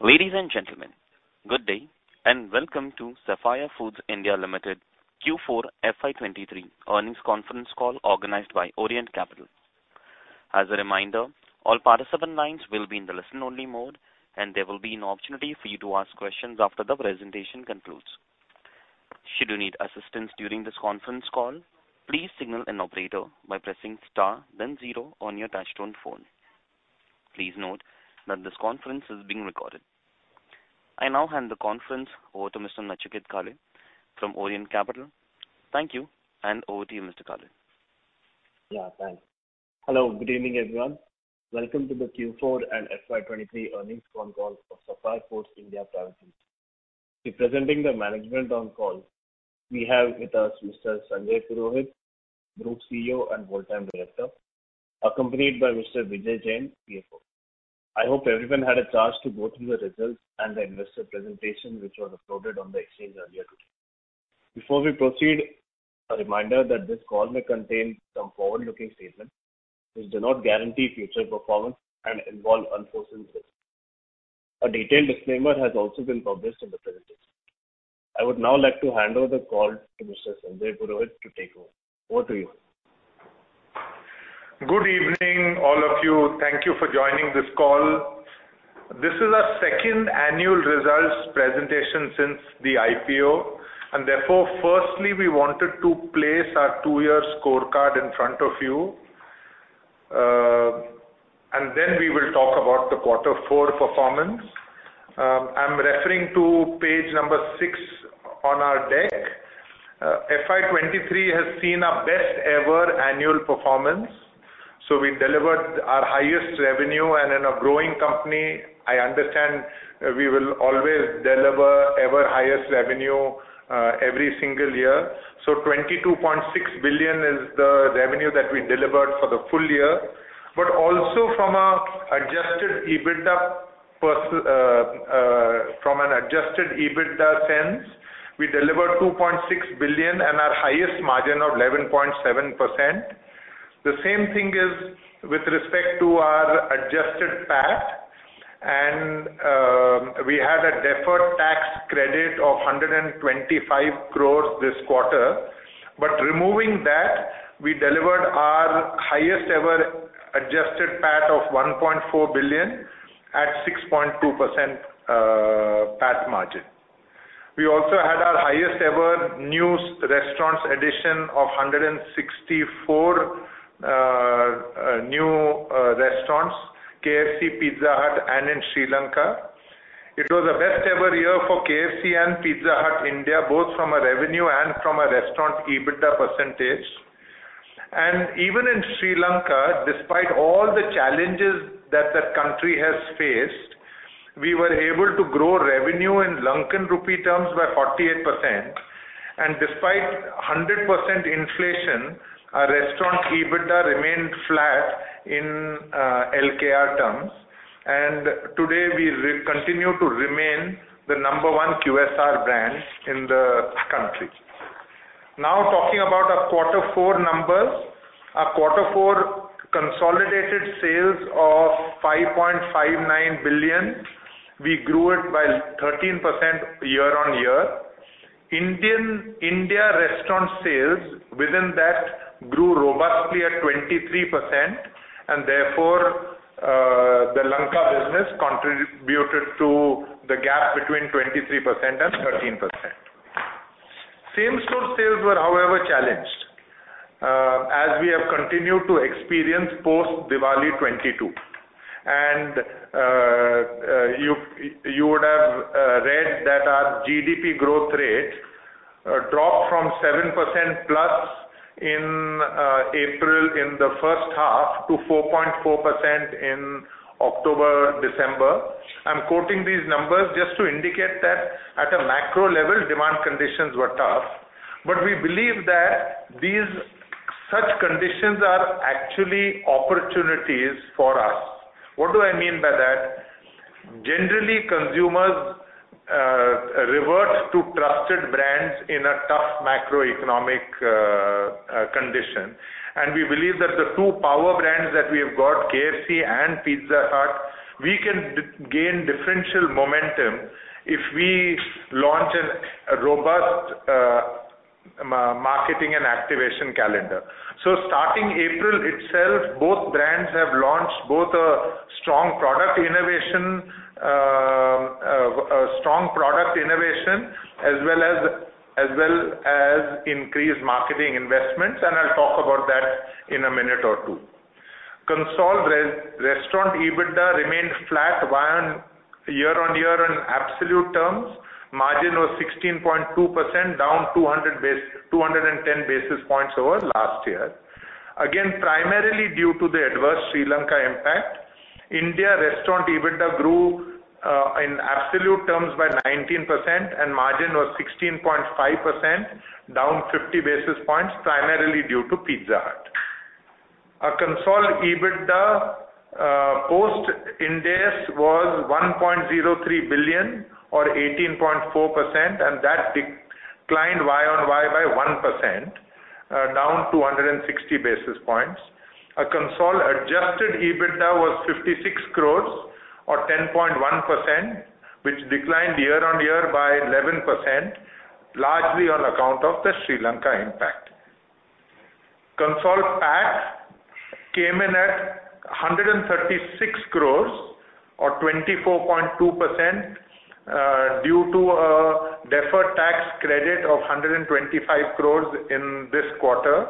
Ladies and gentlemen, good day, and welcome to Sapphire Foods India Limited Q4 FY23 earnings conference call organized by Orient Capital. As a reminder, all participant lines will be in the listen-only mode, and there will be an opportunity for you to ask questions after the presentation concludes. Should you need assistance during this conference call, please signal an operator by pressing star then 0 on your touchtone phone. Please note that this conference is being recorded. I now hand the conference over to Mr. Nachiket Kale from Orient Capital. Thank you, and over to you, Mr. Kale. Yeah, thanks. Hello, good evening, everyone. Welcome to the Q4 and FY23 earnings con call of Sapphire Foods India Private Limited. Representing the management on call, we have with us Mr. Sanjay Purohit, Group CEO and full-time director, accompanied by Mr. Vijay Jain, CFO. I hope everyone had a chance to go through the results and the investor presentation, which was uploaded on the exchange earlier today. Before we proceed, a reminder that this call may contain some forward-looking statements, which do not guarantee future performance and involve unforeseen risks. A detailed disclaimer has also been published in the presentation. I would now like to hand over the call to Mr. Sanjay Purohit to take over. Over to you. Good evening, all of you. Thank you for joining this call. This is our second annual results presentation since the IPO. Therefore, firstly, we wanted to place our two-year scorecard in front of you, and then we will talk about the quarter four performance. I'm referring to page number 6 on our deck. FY23 has seen our best ever annual performance. We delivered our highest revenue and in a growing company, I understand we will always deliver ever highest revenue, every single year. 22.6 billion is the revenue that we delivered for the full year. Also from an adjusted EBITDA sense, we delivered 2.6 billion and our highest margin of 11.7%. The same thing is with respect to our adjusted PAT, and we had a deferred tax credit of 125 crores this quarter. Removing that, we delivered our highest ever adjusted PAT of 1.4 billion at 6.2% PAT margin. We also had our highest ever new restaurants addition of 164 new restaurants, KFC, Pizza Hut, and in Sri Lanka. It was the best ever year for KFC and Pizza Hut India, both from a revenue and from a restaurant EBITDA percentage. Even in Sri Lanka, despite all the challenges that the country has faced, we were able to grow revenue in LKR terms by 48%. Despite 100% inflation, our restaurant EBITDA remained flat in LKR terms. Today, we re-continue to remain the number one QSR brand in the country. Talking about our Q4 numbers. Our Q4 consolidated sales of 5.59 billion, we grew it by 13% year-on-year. India restaurant sales within that grew robustly at 23%, therefore, the Lanka business contributed to the gap between 23% and 13%. Same-Store Sales were, however, challenged, as we have continued to experience post-Diwali 2022. You would have read that our GDP growth rate dropped from 7%+ in April in the first half to 4.4% in October-December. I'm quoting these numbers just to indicate that at a macro level, demand conditions were tough. We believe that such conditions are actually opportunities for us. What do I mean by that? Generally, consumers revert to trusted brands in a tough macroeconomic condition. We believe that the two power brands that we have got, KFC and Pizza Hut, we can gain differential momentum if we launch a robust marketing and activation calendar. Starting April itself, both brands have launched both a strong product innovation as well as increased marketing investments, and I'll talk about that in a minute or two. Consolidated restaurant EBITDA remained flat year-on-year in absolute terms. Margin was 16.2%, down 210 basis points over last year. Primarily due to the adverse Sri Lanka impact. India restaurant EBITDA grew in absolute terms by 19% and margin was 16.5% down 50 basis points, primarily due to Pizza Hut. Our Consolid EBITDA post-index was 1.03 billion or 18.4%, and that declined Y on Y by 1%, down 260 basis points. Our consolidated adjusted EBITDA was 56 crores or 10.1%, which declined year-on-year by 11%, largely on account of the Sri Lanka impact. Consolid PAT came in at 136 crores or 24.2%, due to a deferred tax credit of 125 crores in this quarter.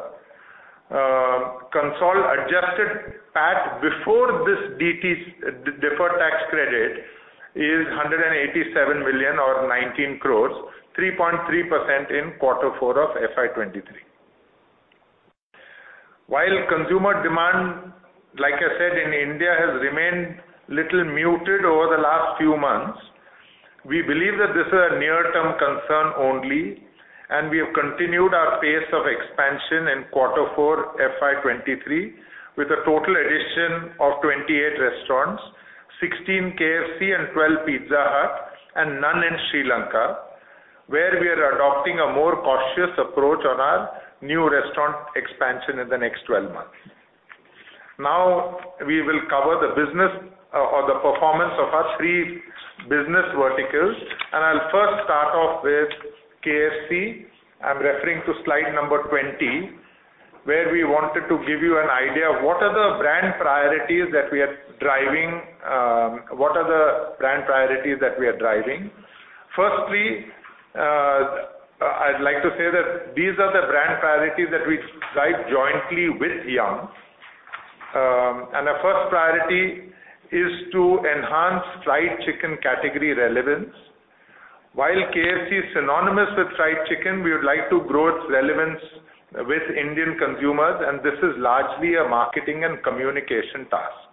Consolidated adjusted PAT before this deferred tax credit is 187 million or 19 crores, 3.3% in quarter four of FY23. While consumer demand, like I said in India, has remained little muted over the last few months, we believe that this is a near-term concern only. We have continued our pace of expansion in Q4 FY23 with a total addition of 28 restaurants, 16 KFC and 12 Pizza Hut and none in Sri Lanka, where we are adopting a more cautious approach on our new restaurant expansion in the next 12 months. We will cover the business or the performance of our 3 business verticals, and I'll first start off with KFC. I'm referring to slide number 20, where we wanted to give you an idea of what are the brand priorities that we are driving. Firstly, I'd like to say that these are the brand priorities that we drive jointly with Yum!. Our first priority is to enhance fried chicken category relevance. While KFC is synonymous with fried chicken, we would like to grow its relevance with Indian consumers, and this is largely a marketing and communication task.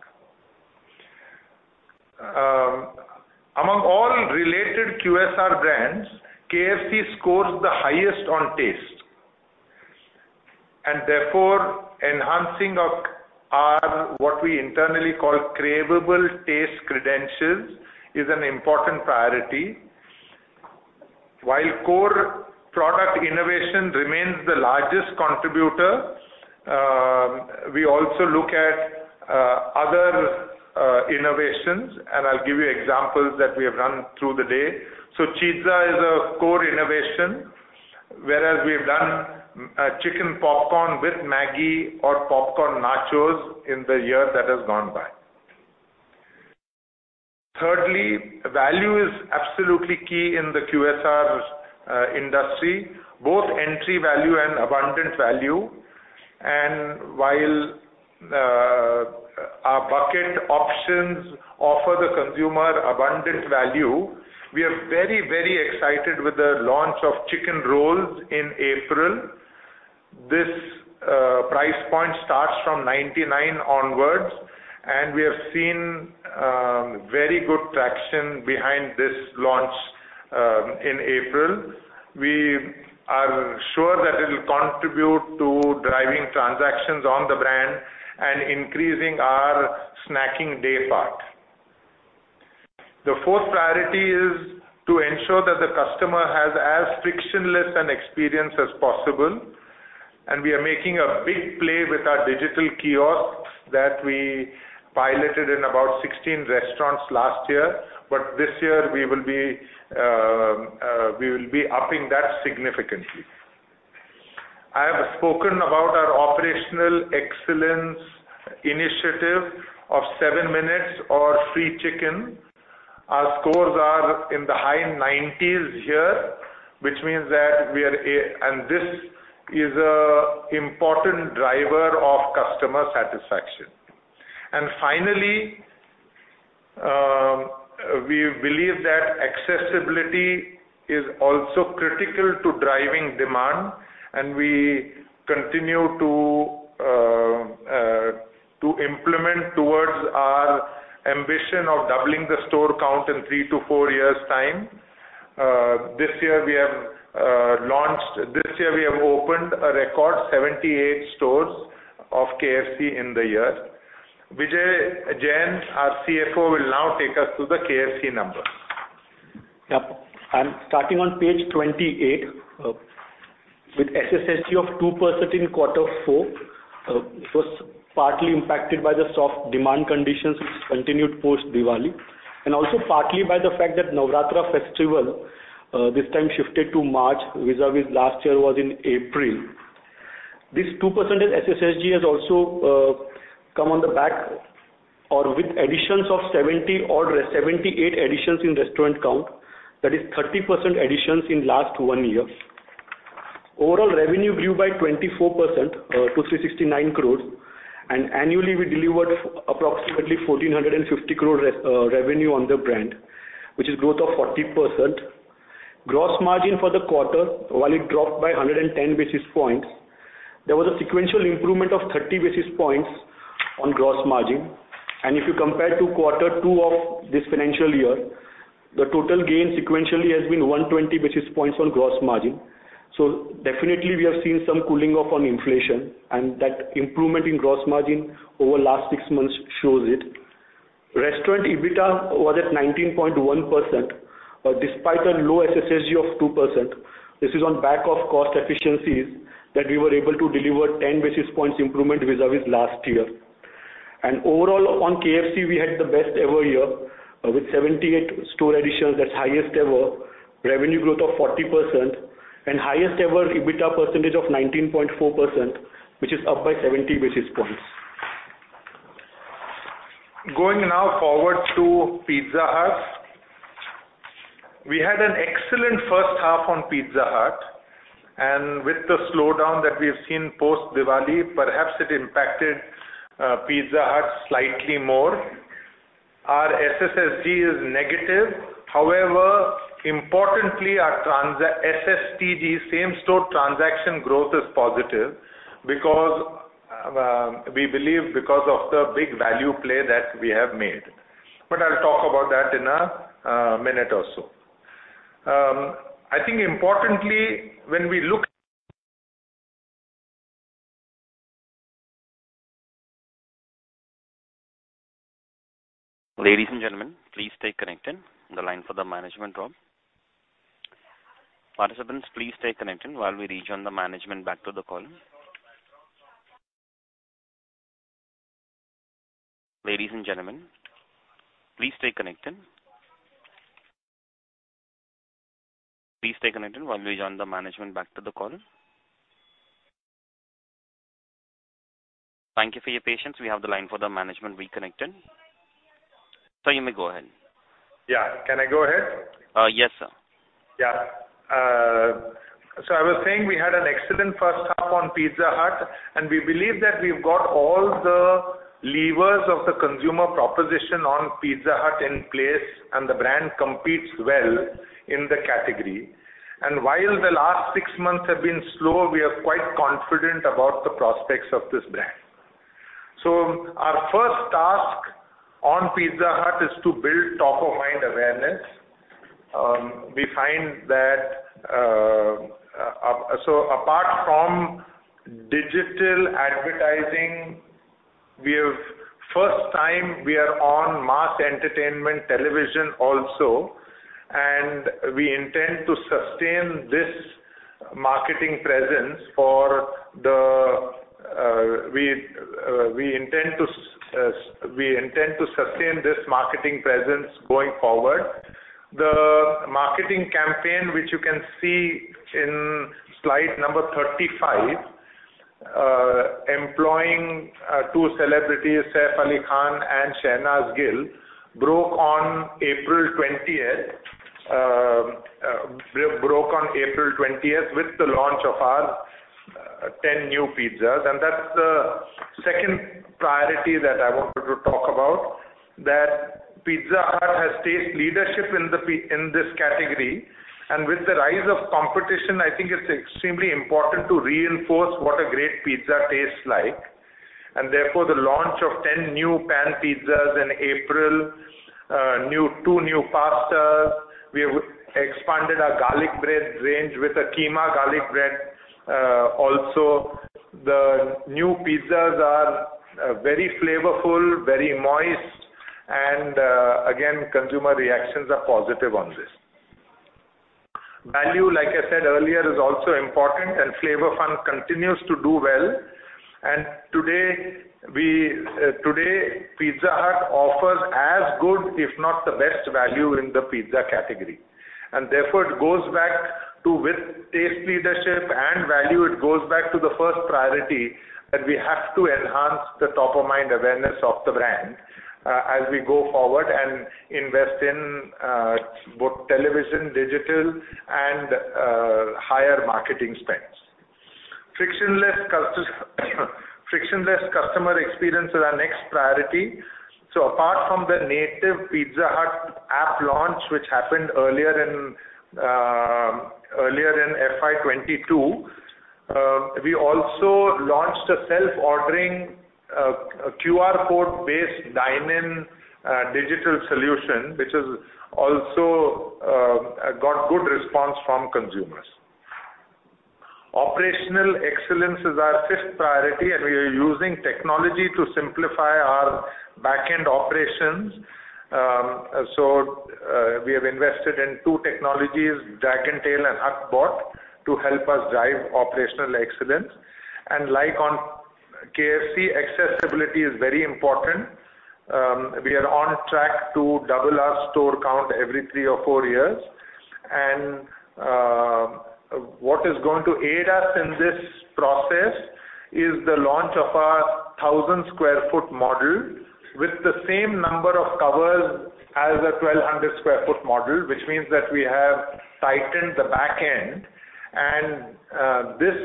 Among all related QSR brands, KFC scores the highest on taste, and therefore enhancing our what we internally call cravable taste credentials is an important priority. While core product innovation remains the largest contributor, we also look at other innovations, and I'll give you examples that we have run through the day. CHEEEEEEEZZA is a core innovation, whereas we have done chicken popcorn with Maggi or Popcorn Nachos in the year that has gone by. Thirdly, value is absolutely key in the QSR industry, both entry value and abundant value. While our bucket options offer the consumer abundant value, we are very, very excited with the launch of Chicken Rolls in April. This price point starts from 99 onwards. We have seen very good traction behind this launch in April. We are sure that it'll contribute to driving transactions on the brand and increasing our snacking day part. The fourth priority is to ensure that the customer has as frictionless an experience as possible. We are making a big play with our digital kiosks that we piloted in about 16 restaurants last year. This year we will be upping that significantly. I have spoken about our operational excellence initiative of 7 minutes or free chicken. Our scores are in the high nineties here, which means that we are and this is an important driver of customer satisfaction. Finally, we believe that accessibility is also critical to driving demand, and we continue to implement towards our ambition of doubling the store count in three to four years' time. This year we have opened a record 78 stores of KFC in the year. Vijay Jain, our CFO, will now take us through the KFC numbers. Yep. I'm starting on page 28. With SSSG of 2% in quarter four, it was partly impacted by the soft demand conditions which continued post-Diwali, and also partly by the fact that Navaratri festival this time shifted to March vis-à-vis last year was in April. This 2% in SSSG has also come on the back or with additions of 70 or 78 additions in restaurant count, that is 30% additions in last one year. Overall revenue grew by 24% to 369 crores. Annually we delivered approximately 1,450 crore revenue on the brand, which is growth of 40%. Gross margin for the quarter, while it dropped by 110 basis points, there was a sequential improvement of 30 basis points on gross margin. If you compare to quarter two of this financial year, the total gain sequentially has been 120 basis points on gross margin. Definitely we have seen some cooling off on inflation and that improvement in gross margin over last six months shows it. Restaurant EBITDA was at 19.1% despite a low SSSG of 2%. This is on back of cost efficiencies that we were able to deliver 10 basis points improvement vis-a-vis last year. Overall on KFC, we had the best ever year with 78 store additions. That's highest ever. Revenue growth of 40% and highest ever EBITDA percentage of 19.4%, which is up by 70 basis points. Going now forward to Pizza Hut. We had an excellent first half on Pizza Hut, with the slowdown that we've seen post-Diwali, perhaps it impacted Pizza Hut slightly more. Our SSSG is negative. However, importantly, our SSTG same-store transaction growth is positive because we believe because of the big value play that we have made. I'll talk about that in a minute or so. I think importantly, when we look Ladies and gentlemen, please stay connected. The line for the management role. Participants, please stay connected while we rejoin the management back to the call. Ladies and gentlemen, please stay connected. Please stay connected while we join the management back to the call. Thank you for your patience. We have the line for the management reconnected. Sir, you may go ahead. Yeah. Can I go ahead? Yes, sir. I was saying we had an excellent first half on Pizza Hut. We believe that we've got all the levers of the consumer proposition on Pizza Hut in place. The brand competes well in the category. While the last six months have been slow, we are quite confident about the prospects of this brand. Our first task on Pizza Hut is to build top-of-mind awareness. We find that, so apart from digital advertising, we have first time we are on mass entertainment television also, and we intend to sustain this marketing presence for the, we intend to sustain this marketing presence going forward. The marketing campaign, which you can see in slide number 35, employing two celebrities, Saif Ali Khan and Shehnaaz Gill, broke on April 20th with the launch of our 10 new pizzas. That's the second priority that I wanted to talk about, that Pizza Hut has taste leadership in this category. With the rise of competition, I think it's extremely important to reinforce what a great pizza tastes like. Therefore, the launch of 10 new pan pizzas in April, 2 new pastas. We have expanded our garlic bread range with a Keema Garlic Bread also. The new pizzas are very flavorful, very moist, and again, consumer reactions are positive on this. Value, like I said earlier, is also important, and Flavor Fun continues to do well. Today, we today, Pizza Hut offers as good, if not the best value in the pizza category. Therefore it goes back to with taste leadership and value, it goes back to the first priority that we have to enhance the top-of-mind awareness of the brand, as we go forward and invest in both television, digital and higher marketing spends. Frictionless customer experience is our next priority. Apart from the native Pizza Hut app launch, which happened earlier in earlier in FY22, we also launched a self-ordering QR code-based dine-in digital solution, which has also got good response from consumers. Operational excellence is our fifth priority, and we are using technology to simplify our back-end operations. We have invested in two technologies, DragonTail and HutBot, to help us drive operational excellence. Like on KFC, accessibility is very important. We are on track to double our store count every three or four years. What is going to aid us in this process is the launch of our 1,000 sq ft model with the same number of covers as a 1,200 sq ft model, which means that we have tightened the back end. This,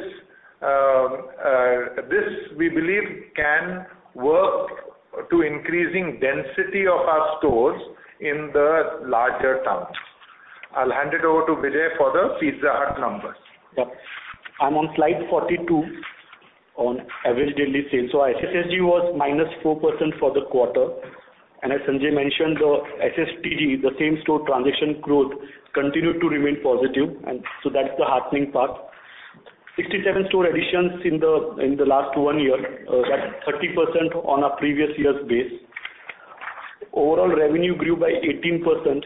we believe, can work to increasing density of our stores in the larger towns. I'll hand it over to Vijay for the Pizza Hut numbers. Yeah. I'm on slide 42 on average daily sales. SSSG was -4% for the quarter. As Sanjay mentioned, the SSTG, the same-store transition growth continued to remain positive. That's the heartening part. 67 store additions in the last 1 year, that's 30% on our previous year's base. Overall revenue grew by 18%,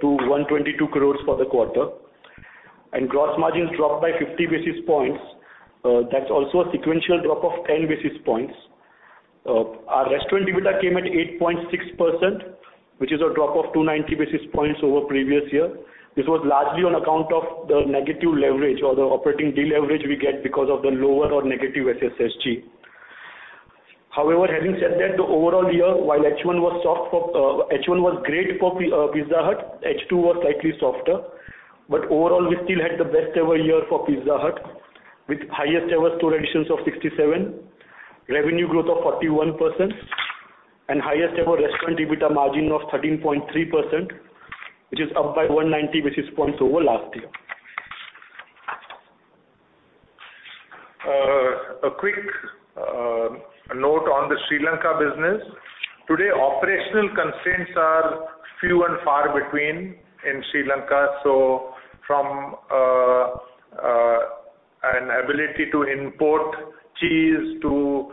to 122 crores for the quarter. Gross margins dropped by 50 basis points. That's also a sequential drop of 10 basis points. Our restaurant EBITDA came at 8.6%, which is a drop of 290 basis points over previous year. This was largely on account of the negative leverage or the operating deleverage we get because of the lower or negative SSSG. Having said that, the overall year, while H1 was great for Pizza Hut. H2 was slightly softer. Overall, we still had the best ever year for Pizza Hut, with highest ever store additions of 67, revenue growth of 41% and highest ever restaurant EBITDA margin of 13.3%, which is up by 190 basis points over last year. A quick note on the Sri Lanka business. Today, operational constraints are few and far between in Sri Lanka. From an ability to import cheese to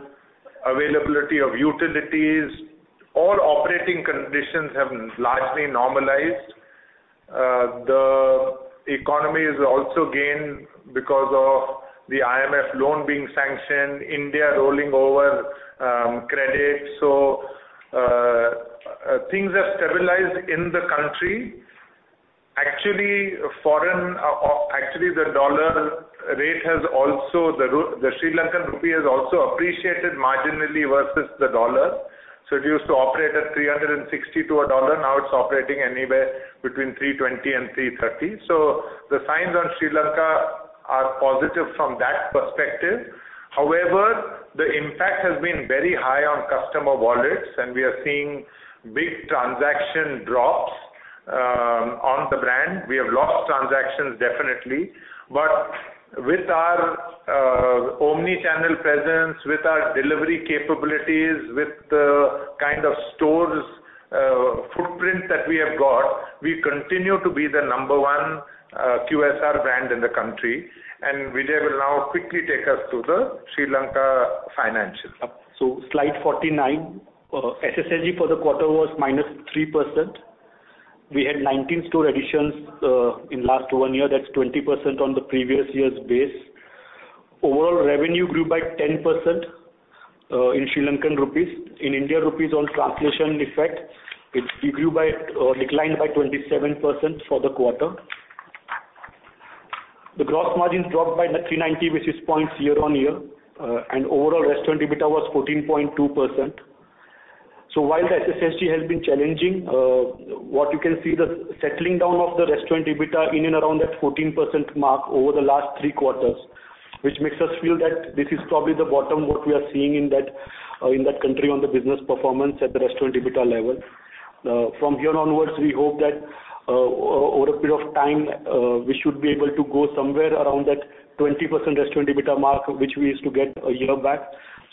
availability of utilities, all operating conditions have largely normalized. The economy has also gained because of the IMF loan being sanctioned, India rolling over credit. Things have stabilized in the country. Actually, the Sri Lankan rupee has also appreciated marginally versus the dollar. It used to operate at 360 to a dollar. Now it's operating anywhere between 320 and 330. The signs on Sri Lanka are positive from that perspective. However, the impact has been very high on customer wallets, and we are seeing big transaction drops on the brand. We have lost transactions definitely. With our omni-channel presence, with our delivery capabilities, with the kind of stores footprint that we have got, we continue to be the number one QSR brand in the country. Vijay will now quickly take us through the Sri Lanka financials. Slide 49. SSSG for the quarter was -3%. We had 19 store additions in last 1 year. That's 20% on the previous year's base. Overall revenue grew by 10% in LKR. In INR, on translation effect, it declined by 27% for the quarter. The gross margin dropped by 390 basis points year-on-year. And overall restaurant EBITDA was 14.2%. While the SSSG has been challenging, what you can see the settling down of the restaurant EBITDA in and around that 14% mark over the last 3 quarters, which makes us feel that this is probably the bottom what we are seeing in that, in that country on the business performance at the restaurant EBITDA level. From here onwards, we hope that over a period of time, we should be able to go somewhere around that 20% restaurant EBITDA mark, which we used to get a year back.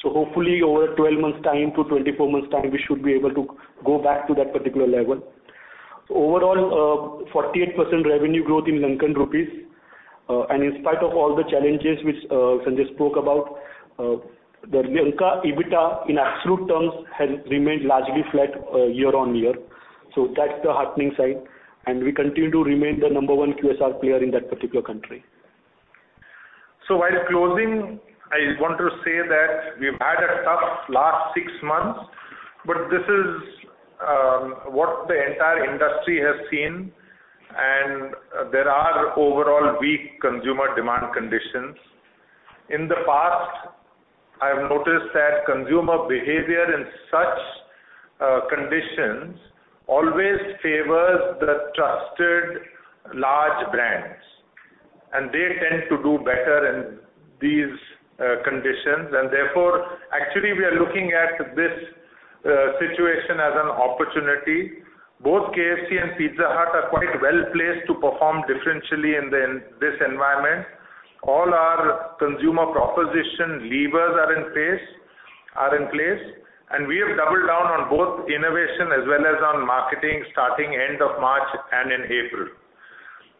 Hopefully over 12 months' time to 24 months' time, we should be able to go back to that particular level. Overall, 48% revenue growth in Lankan rupees. In spite of all the challenges which Sanjay spoke about, the Lanka EBITDA in absolute terms has remained largely flat, year-over-year. That's the heartening side. We continue to remain the number one QSR player in that particular country. While closing, I want to say that we've had a tough last six months, but this is what the entire industry has seen, and there are overall weak consumer demand conditions. In the past, I have noticed that consumer behavior in such conditions always favors the trusted large brands, and they tend to do better in these conditions. Therefore, actually, we are looking at this situation as an opportunity. Both KFC and Pizza Hut are quite well placed to perform differentially in this environment. All our consumer proposition levers are in place. We have doubled down on both innovation as well as on marketing starting end of March and in April.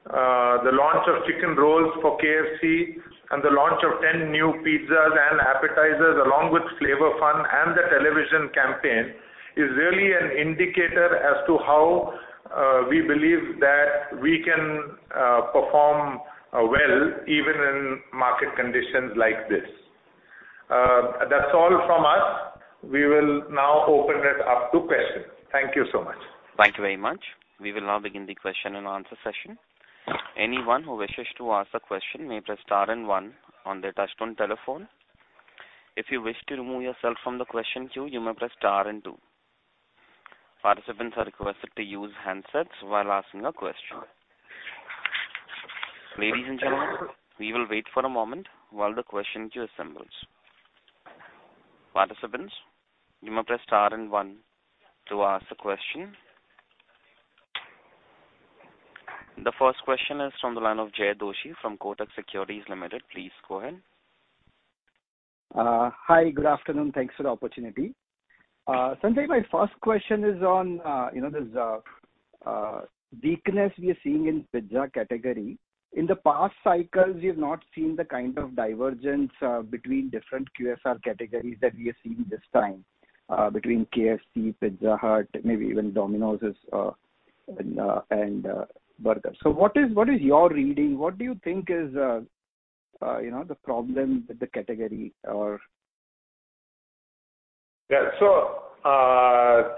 The launch of Chicken Rolls for KFC and the launch of 10 new pizzas and appetizers, along with Flavour Fun and the television campaign, is really an indicator as to how we believe that we can perform well even in market conditions like this. That's all from us. We will now open it up to questions. Thank you so much. Thank you very much. We will now begin the question and answer session. Anyone who wishes to ask a question may press star and one on their touchtone telephone. If you wish to remove yourself from the question queue, you may press star and two. Participants are requested to use handsets while asking a question. Ladies and gentlemen, we will wait for a moment while the question queue assembles. Participants, you may press star and one to ask a question. The first question is from the line of Jaykumar Doshi from Kotak Securities Limited. Please go ahead. Hi, good afternoon. Thanks for the opportunity. Sanjay, my first question is on, you know, this weakness we are seeing in pizza category. In the past cycles, we have not seen the kind of divergence between different QSR categories that we are seeing this time, between KFC, Pizza Hut, maybe even Domino's and Burger. What is your reading? What do you think is, you know, the problem with the category or... While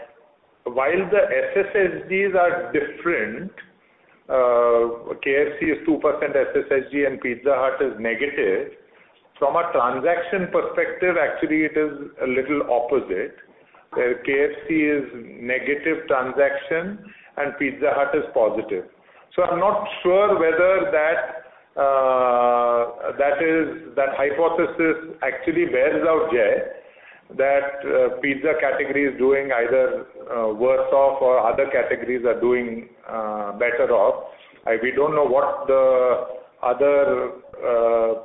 the SSSGs are different, KFC is 2% SSSG and Pizza Hut is negative. From a transaction perspective, actually it is a little opposite, where KFC is negative transaction and Pizza Hut is positive. I'm not sure whether that is, that hypothesis actually bears out, Jay, that pizza category is doing either worse off or other categories are doing better off. We don't know what the other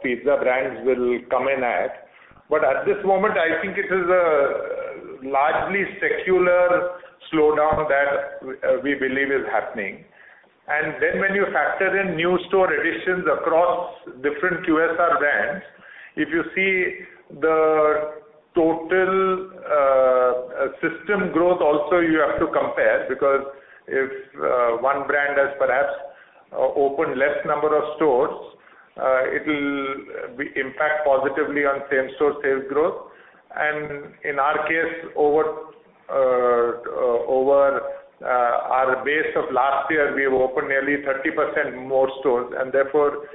pizza brands will come in at. At this moment, I think it is a largely secular slowdown that we believe is happening. When you factor in new store additions across different QSR brands, if you see the total system growth also you have to compare, because if one brand has perhaps opened less number of stores, it'll be impact positively on same-store sales growth. In our case, over our base of last year, we have opened nearly 30% more stores, and therefore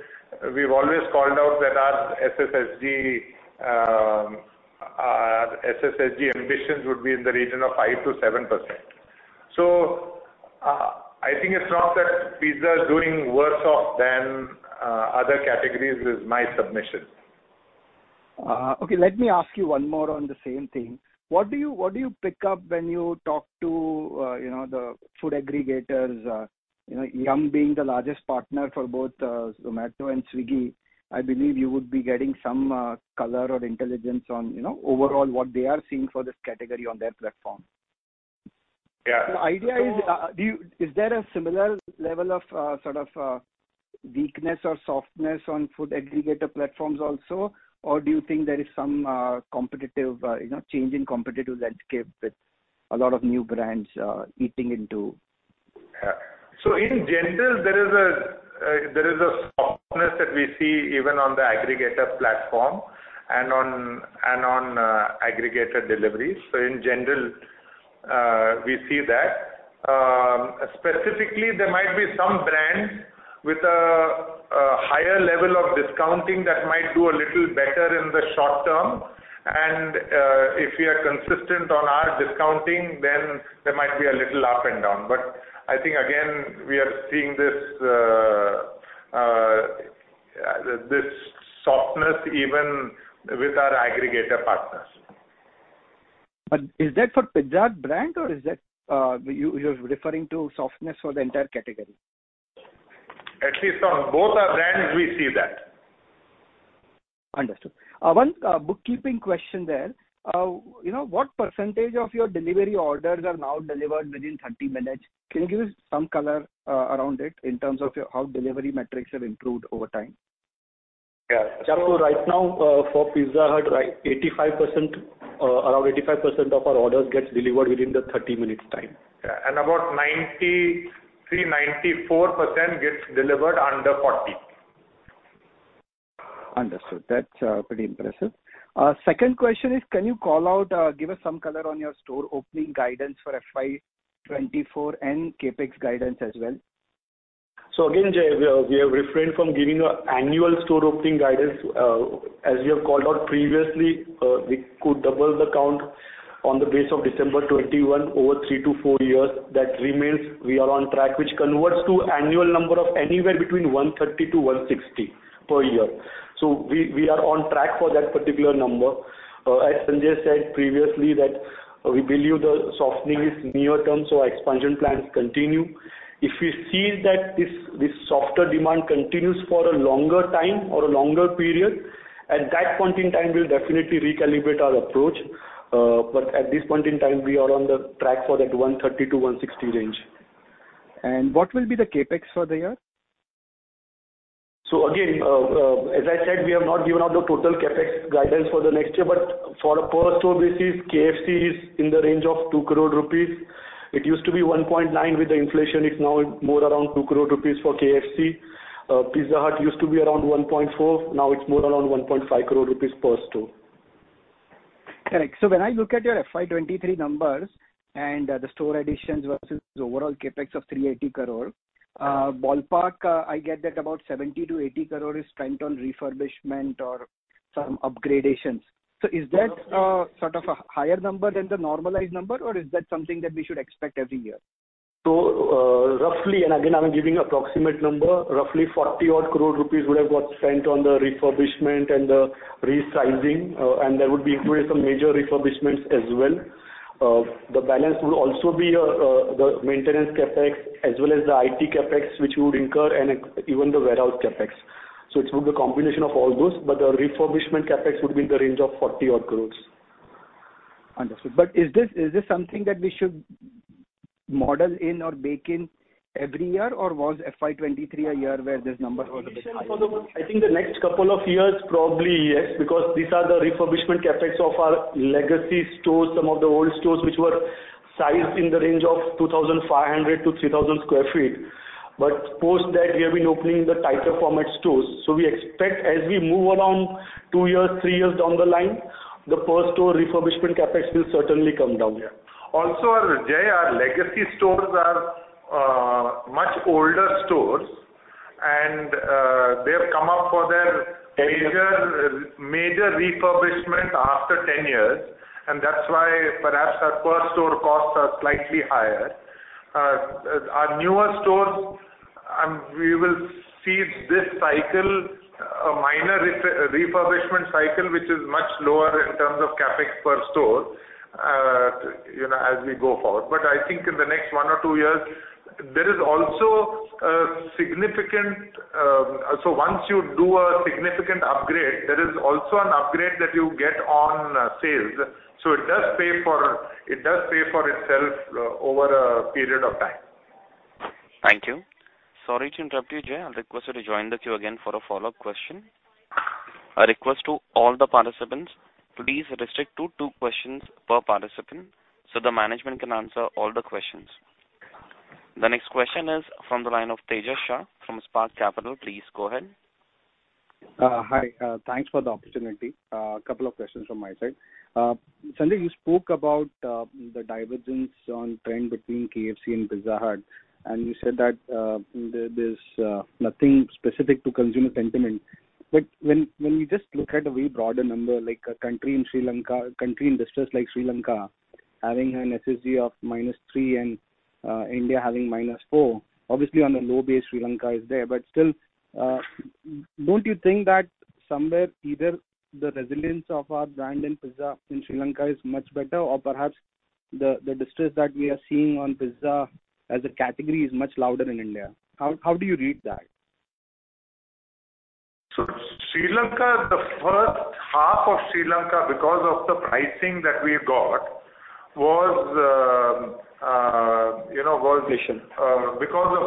we've always called out that our SSSG ambitions would be in the region of 5%-7%. I think it's not that pizza is doing worse off than other categories is my submission. Okay, let me ask you one more on the same thing. What do you pick up when you talk to, you know, the food aggregators? You know, Yum! being the largest partner for both Zomato and Swiggy, I believe you would be getting some color or intelligence on, you know, overall what they are seeing for this category on their platform. Yeah. The idea is there a similar level of, sort of, weakness or softness on food aggregator platforms also? Do you think there is some, competitive, you know, change in competitive landscape with a lot of new brands, eating into? In general, there is a softness that we see even on the aggregator platform and on aggregator deliveries. In general, we see that. Specifically, there might be some brands with a higher level of discounting that might do a little better in the short term. If we are consistent on our discounting, then there might be a little up and down. I think again, we are seeing this softness even with our aggregator partners. Is that for Pizza Hut brand or is that, you're referring to softness for the entire category? At least on both our brands we see that. Understood. One bookkeeping question there. You know what percentage of your delivery orders are now delivered within 30 minutes? Can you give some color around it in terms of your how delivery metrics have improved over time? Yeah. Right now, for Pizza Hut, right, 85%, around 85% of our orders gets delivered within the 30 minutes time. About 93%, 94% gets delivered under 40. Understood. That's pretty impressive. Second question is, can you call out, give us some color on your store opening guidance for FY24 and CapEx guidance as well? Again, Jay, we are refrained from giving annual store opening guidance. As we have called out previously, we could double the count on the base of December 2021 over 3 to 4 years. That remains. We are on track, which converts to annual number of anywhere between 130 to 160 per year. We are on track for that particular number. As Sanjay said previously that we believe the softening is near term, so expansion plans continue. If we see that this softer demand continues for a longer time or a longer period, at that point in time, we'll definitely recalibrate our approach. At this point in time, we are on the track for that 130 to 160 range. What will be the CapEx for the year? Again, as I said, we have not given out the total CapEx guidance for the next year. For a per store basis, KFC is in the range of 2 crore rupees. It used to be 1.9 crore. With the inflation, it's now more around 2 crore rupees for KFC. Pizza Hut used to be around 1.4 crore. Now it's more around 1.5 crore rupees per store. Correct. When I look at your FY23 numbers and the store additions versus overall CapEx of 380 crore, ballpark, I get that about 70-80 crore is spent on refurbishment or some upgradations. Is that sort of a higher number than the normalized number, or is that something that we should expect every year? Roughly, and again, I'm giving approximate number, roughly 40 odd crore INR would have got spent on the refurbishment and the resizing, and there would be included some major refurbishments as well. The balance will also be, the maintenance CapEx as well as the IT CapEx which we would incur and even the warehouse CapEx. It's through the combination of all those, but the refurbishment CapEx would be in the range of 40 odd crore INR. Understood. Is this something that we should model in or bake in every year or was FY23 a year where this number was a bit high? I think the next couple of years, probably yes, because these are the refurbishment CapEx of our legacy stores, some of the old stores which were sized in the range of 2,500 to 3,000 sq ft. Post that, we have been opening the tighter format stores. We expect as we move around two years, three years down the line, the per store refurbishment CapEx will certainly come down, yeah. Jay, our legacy stores are much older stores and they have come up for their major refurbishment after 10 years, and that's why perhaps our per store costs are slightly higher. Our newer stores, we will see this cycle a minor refurbishment cycle, which is much lower in terms of CapEx per store, you know, as we go forward. I think in the next one or two years, there is also a significant. Once you do a significant upgrade, there is also an upgrade that you get on sales. It does pay for itself over a period of time. Thank you. Sorry to interrupt you, Jay. I request you to join the queue again for a follow-up question. A request to all the participants to please restrict to two questions per participant so the management can answer all the questions. The next question is from the line of Tejas Shah from Spark Capital. Please go ahead. Hi. Thanks for the opportunity. A couple of questions from my side. Sanjay, you spoke about the divergence on trend between KFC and Pizza Hut, and you said that there's nothing specific to consumer sentiment. When we just look at a very broader number, like a country in Sri Lanka, country in distress like Sri Lanka, having an SSSG of -3% and India having -4%. Obviously, on a low base, Sri Lanka is there. Still, don't you think that somewhere either the resilience of our brand in pizza in Sri Lanka is much better or perhaps the distress that we are seeing on pizza as a category is much louder in India? How do you read that? Sri Lanka, the first half of Sri Lanka because of the pricing that we got was, you know. Inflation. Because of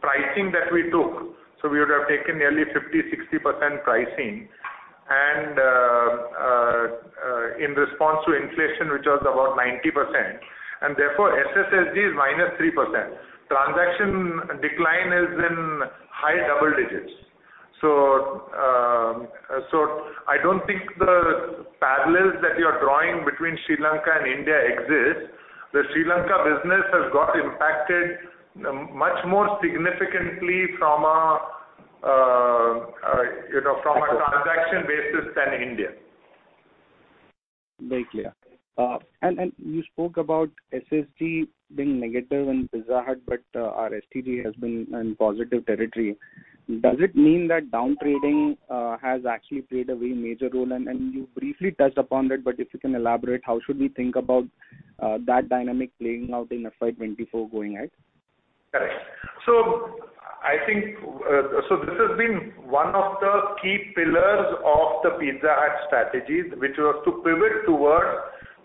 pricing that we took. We would have taken nearly 50%-60% pricing in response to inflation, which was about 90%, therefore SSSG is minus 3%. Transaction decline is in high double digits. I don't think the parallels that you're drawing between Sri Lanka and India exist. The Sri Lanka business has got impacted much more significantly from a, you know, from a transaction basis than India. Very clear. You spoke about SSSG being negative in Pizza Hut, but our STG has been in positive territory. Does it mean that down trading has actually played a very major role? You briefly touched upon that, but if you can elaborate, how should we think about that dynamic playing out in FY24 going ahead? Correct. I think this has been one of the key pillars of the Pizza Hut strategy, which was to pivot towards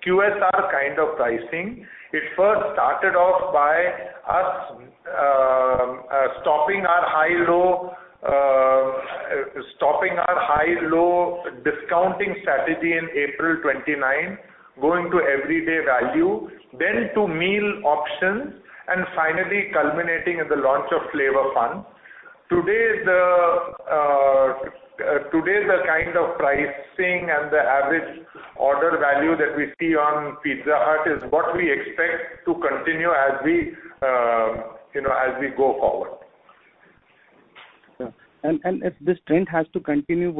QSR kind of pricing. It first started off by us stopping our high-low discounting strategy in April 29, going to everyday value, then to meal options, finally culminating in the launch of Flavour Fun. Today, the kind of pricing and the average order value that we see on Pizza Hut is what we expect to continue as we, you know, as we go forward. Yeah. If this trend has to continue,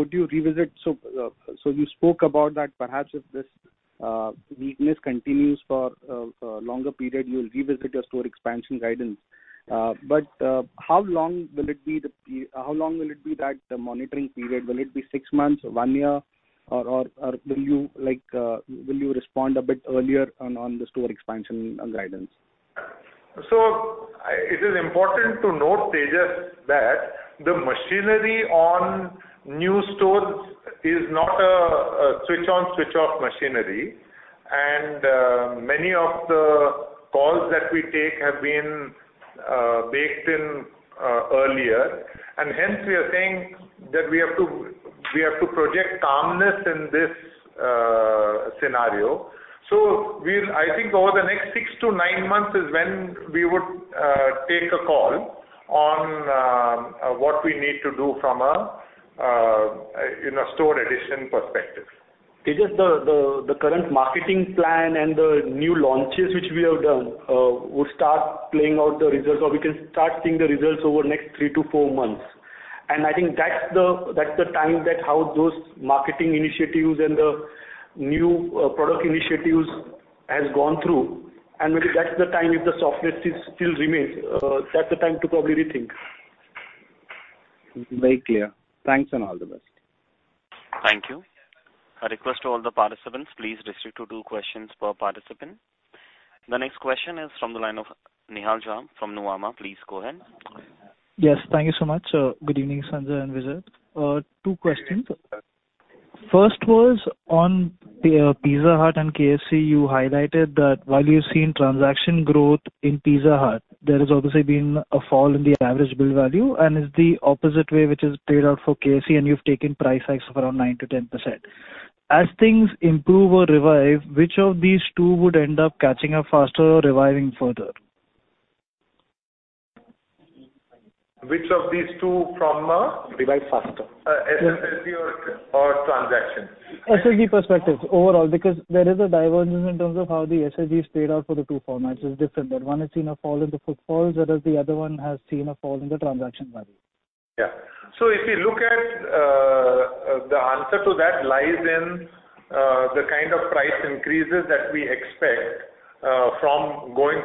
So you spoke about that perhaps if this weakness continues for a longer period, you will revisit your store expansion guidance. How long will it be that the monitoring period, will it be 6 months or 1 year or will you like, will you respond a bit earlier on the store expansion guidance? It is important to note, Tejas, that the machinery on new stores is not a switch on, switch off machinery. Many of the calls that we take have been baked in earlier, and hence we are saying that we have to project calmness in this scenario. I think over the next 6 to 9 months is when we would take a call on what we need to do from a, you know, store addition perspective. Tejas, the current marketing plan and the new launches which we have done, will start playing out the results or we can start seeing the results over next three to four months. I think that's the time that how those marketing initiatives and the new product initiatives has gone through. That's the time if the softness is still remains, that's the time to probably rethink. Very clear. Thanks and all the best. Thank you. A request to all the participants, please restrict to two questions per participant. The next question is from the line of Nihal Jham from Nuvama. Please go ahead. Yes, thank you so much. good evening, Sanjay and Vijay. two questions. First was on the Pizza Hut and KFC. You highlighted that while you've seen transaction growth in Pizza Hut, there has obviously been a fall in the average bill value, and it's the opposite way which has played out for KFC, and you've taken price hikes of around 9%-10%. As things improve or revive, which of these two would end up catching up faster or reviving further? Which of these two from. Revive faster. SSSG or transaction? SSSG perspective overall. There is a divergence in terms of how the SSSG has played out for the two formats. It's different. One has seen a fall in the footfalls, whereas the other one has seen a fall in the transaction value. Yeah. If you look at, the answer to that lies in the kind of price increases that we expect, from going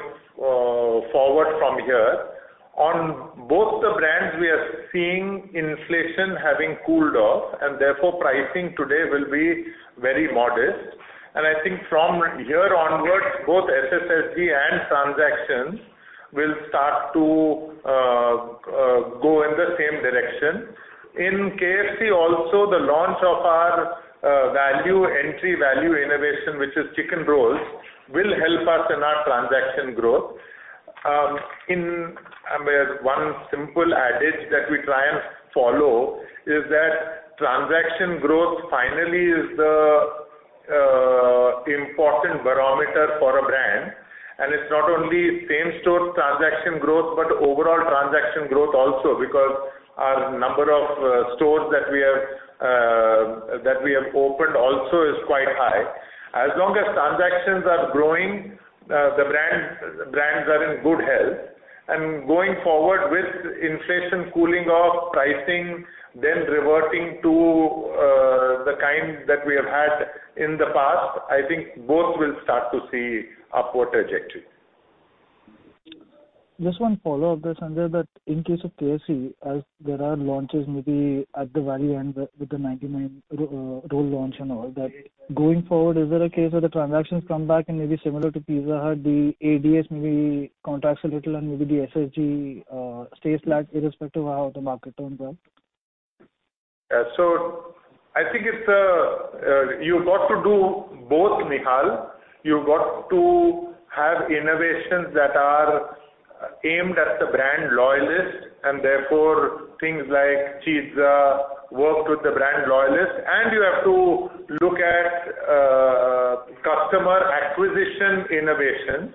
forward from here. On both the brands, we are seeing inflation having cooled off, and therefore pricing today will be very modest. I think from here onwards, both SSSG and transactions will start to go in the same direction. In KFC also, the launch of our value entry, value innovation, which is Chicken Rolls, will help us in our transaction growth. I mean, one simple adage that we try and follow is that transaction growth finally is the important barometer for a brand. It's not only same-store transaction growth, but overall transaction growth also because our number of stores that we have, that we have opened also is quite high. As long as transactions are growing, brands are in good health. Going forward with inflation cooling off, pricing then reverting to the kind that we have had in the past, I think both will start to see upward trajectory. Just one follow-up there, Sanjay, that in case of KFC, as there are launches maybe at the value end with the 99 roll launch and all that. Going forward, is there a case where the transactions come back and maybe similar to Pizza Hut, the ADS maybe contracts a little and maybe the SSSG stays flat irrespective of how the market trends up? Yeah. I think it's, you've got to do both, Nihal. You've got to have innovations that are aimed at the brand loyalist, and therefore things like CHEEEEEEEZZA worked with the brand loyalist, and you have to look at, customer acquisition innovation.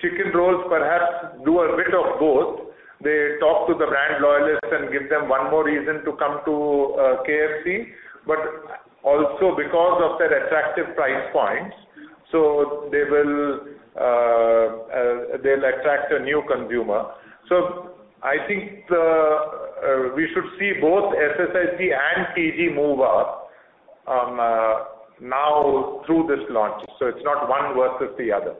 Chicken Rolls perhaps do a bit of both. They talk to the brand loyalists and give them one more reason to come to KFC, but also because of their attractive price points, so they will, they'll attract a new consumer. I think the, we should see both SSSG and TG move up now through this launch. It's not one versus the other.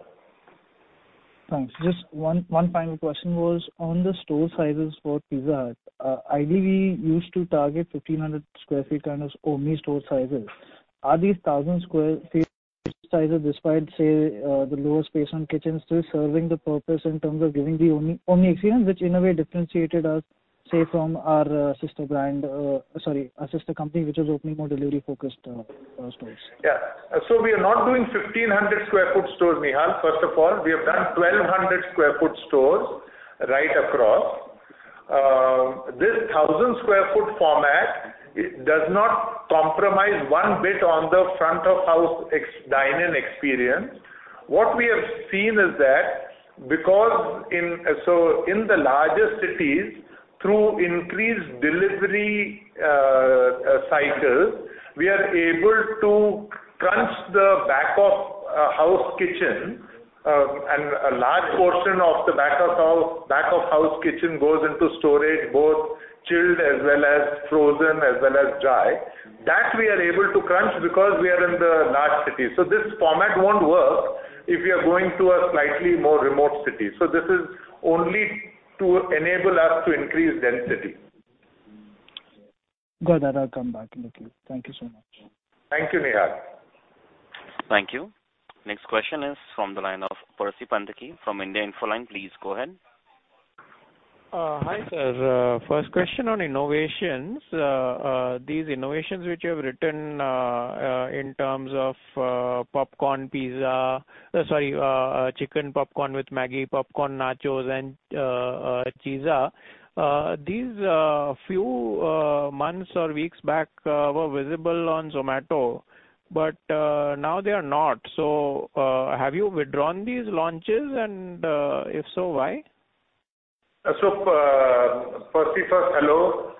Thanks. Just one final question was on the store sizes for Pizza Hut. Ideally, we used to target 1,500 sq ft kind of omni store sizes. Are these 1,000 sq ft sizes, despite, say, the lower space on kitchens, still serving the purpose in terms of giving the omni experience, which in a way differentiated us, say, from our sister brand, sorry, our sister company, which is opening more delivery-focused stores? Yeah. We are not doing 1,500 sq ft stores, Nihal. First of all, we have done 1,200 sq ft stores right across. This 1,000 sq ft format does not compromise one bit on the front of house dine-in experience. What we have seen is that because in the larger cities, through increased delivery cycles, we are able to crunch the back of house kitchen, and a large portion of the back of house kitchen goes into storage, both chilled as well as frozen as well as dry. That we are able to crunch because we are in the large cities. This format won't work if you're going to a slightly more remote city. This is only to enable us to increase density. Got that. I'll come back. Okay. Thank you so much. Thank you, Nihal. Thank you. Next question is from the line of Percy Panthaki from India Infoline. Please go ahead. Hi, sir. First question on innovations. These innovations which you have written in terms of popcorn pizza, sorry, chicken popcorn with Maggi Popcorn Nachos and CHEEEEEEEZZA. These few months or weeks back were visible on Zomato, but now they are not. Have you withdrawn these launches, and if so, why? Percy first, hello.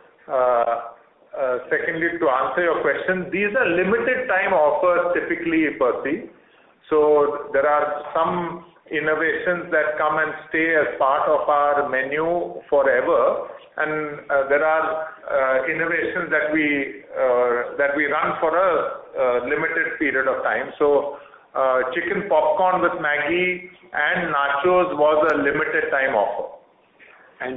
Secondly, to answer your question, these are limited time offers typically, Percy. There are some innovations that come and stay as part of our menu forever, and there are innovations that we run for a limited period of time. Chicken popcorn with Maggi and nachos was a limited time offer.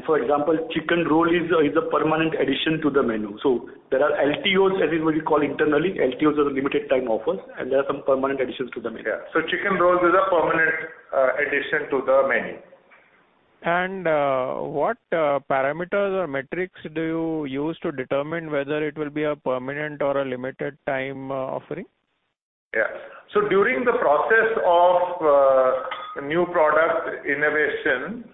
For example, Chicken Roll is a permanent addition to the menu. There are LTOs, as is what we call internally. LTOs are the limited time offers, and there are some permanent additions to the menu. Yeah. Chicken Rolls is a permanent addition to the menu. What parameters or metrics do you use to determine whether it will be a permanent or a limited time offering? Yeah. During the process of new product innovation,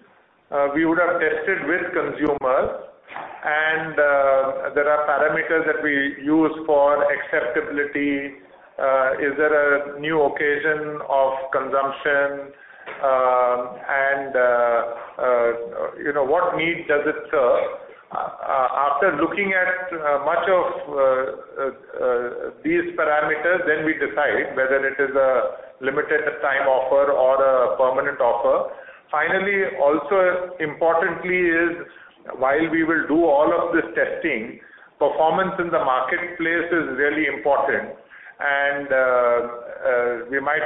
we would have tested with consumers and there are parameters that we use for acceptability, is there a new occasion of consumption, you know, what need does it serve? After looking at much of these parameters, then we decide whether it is a limited time offer or a permanent offer. Finally, also importantly is while we will do all of this testing, performance in the marketplace is really important. We might...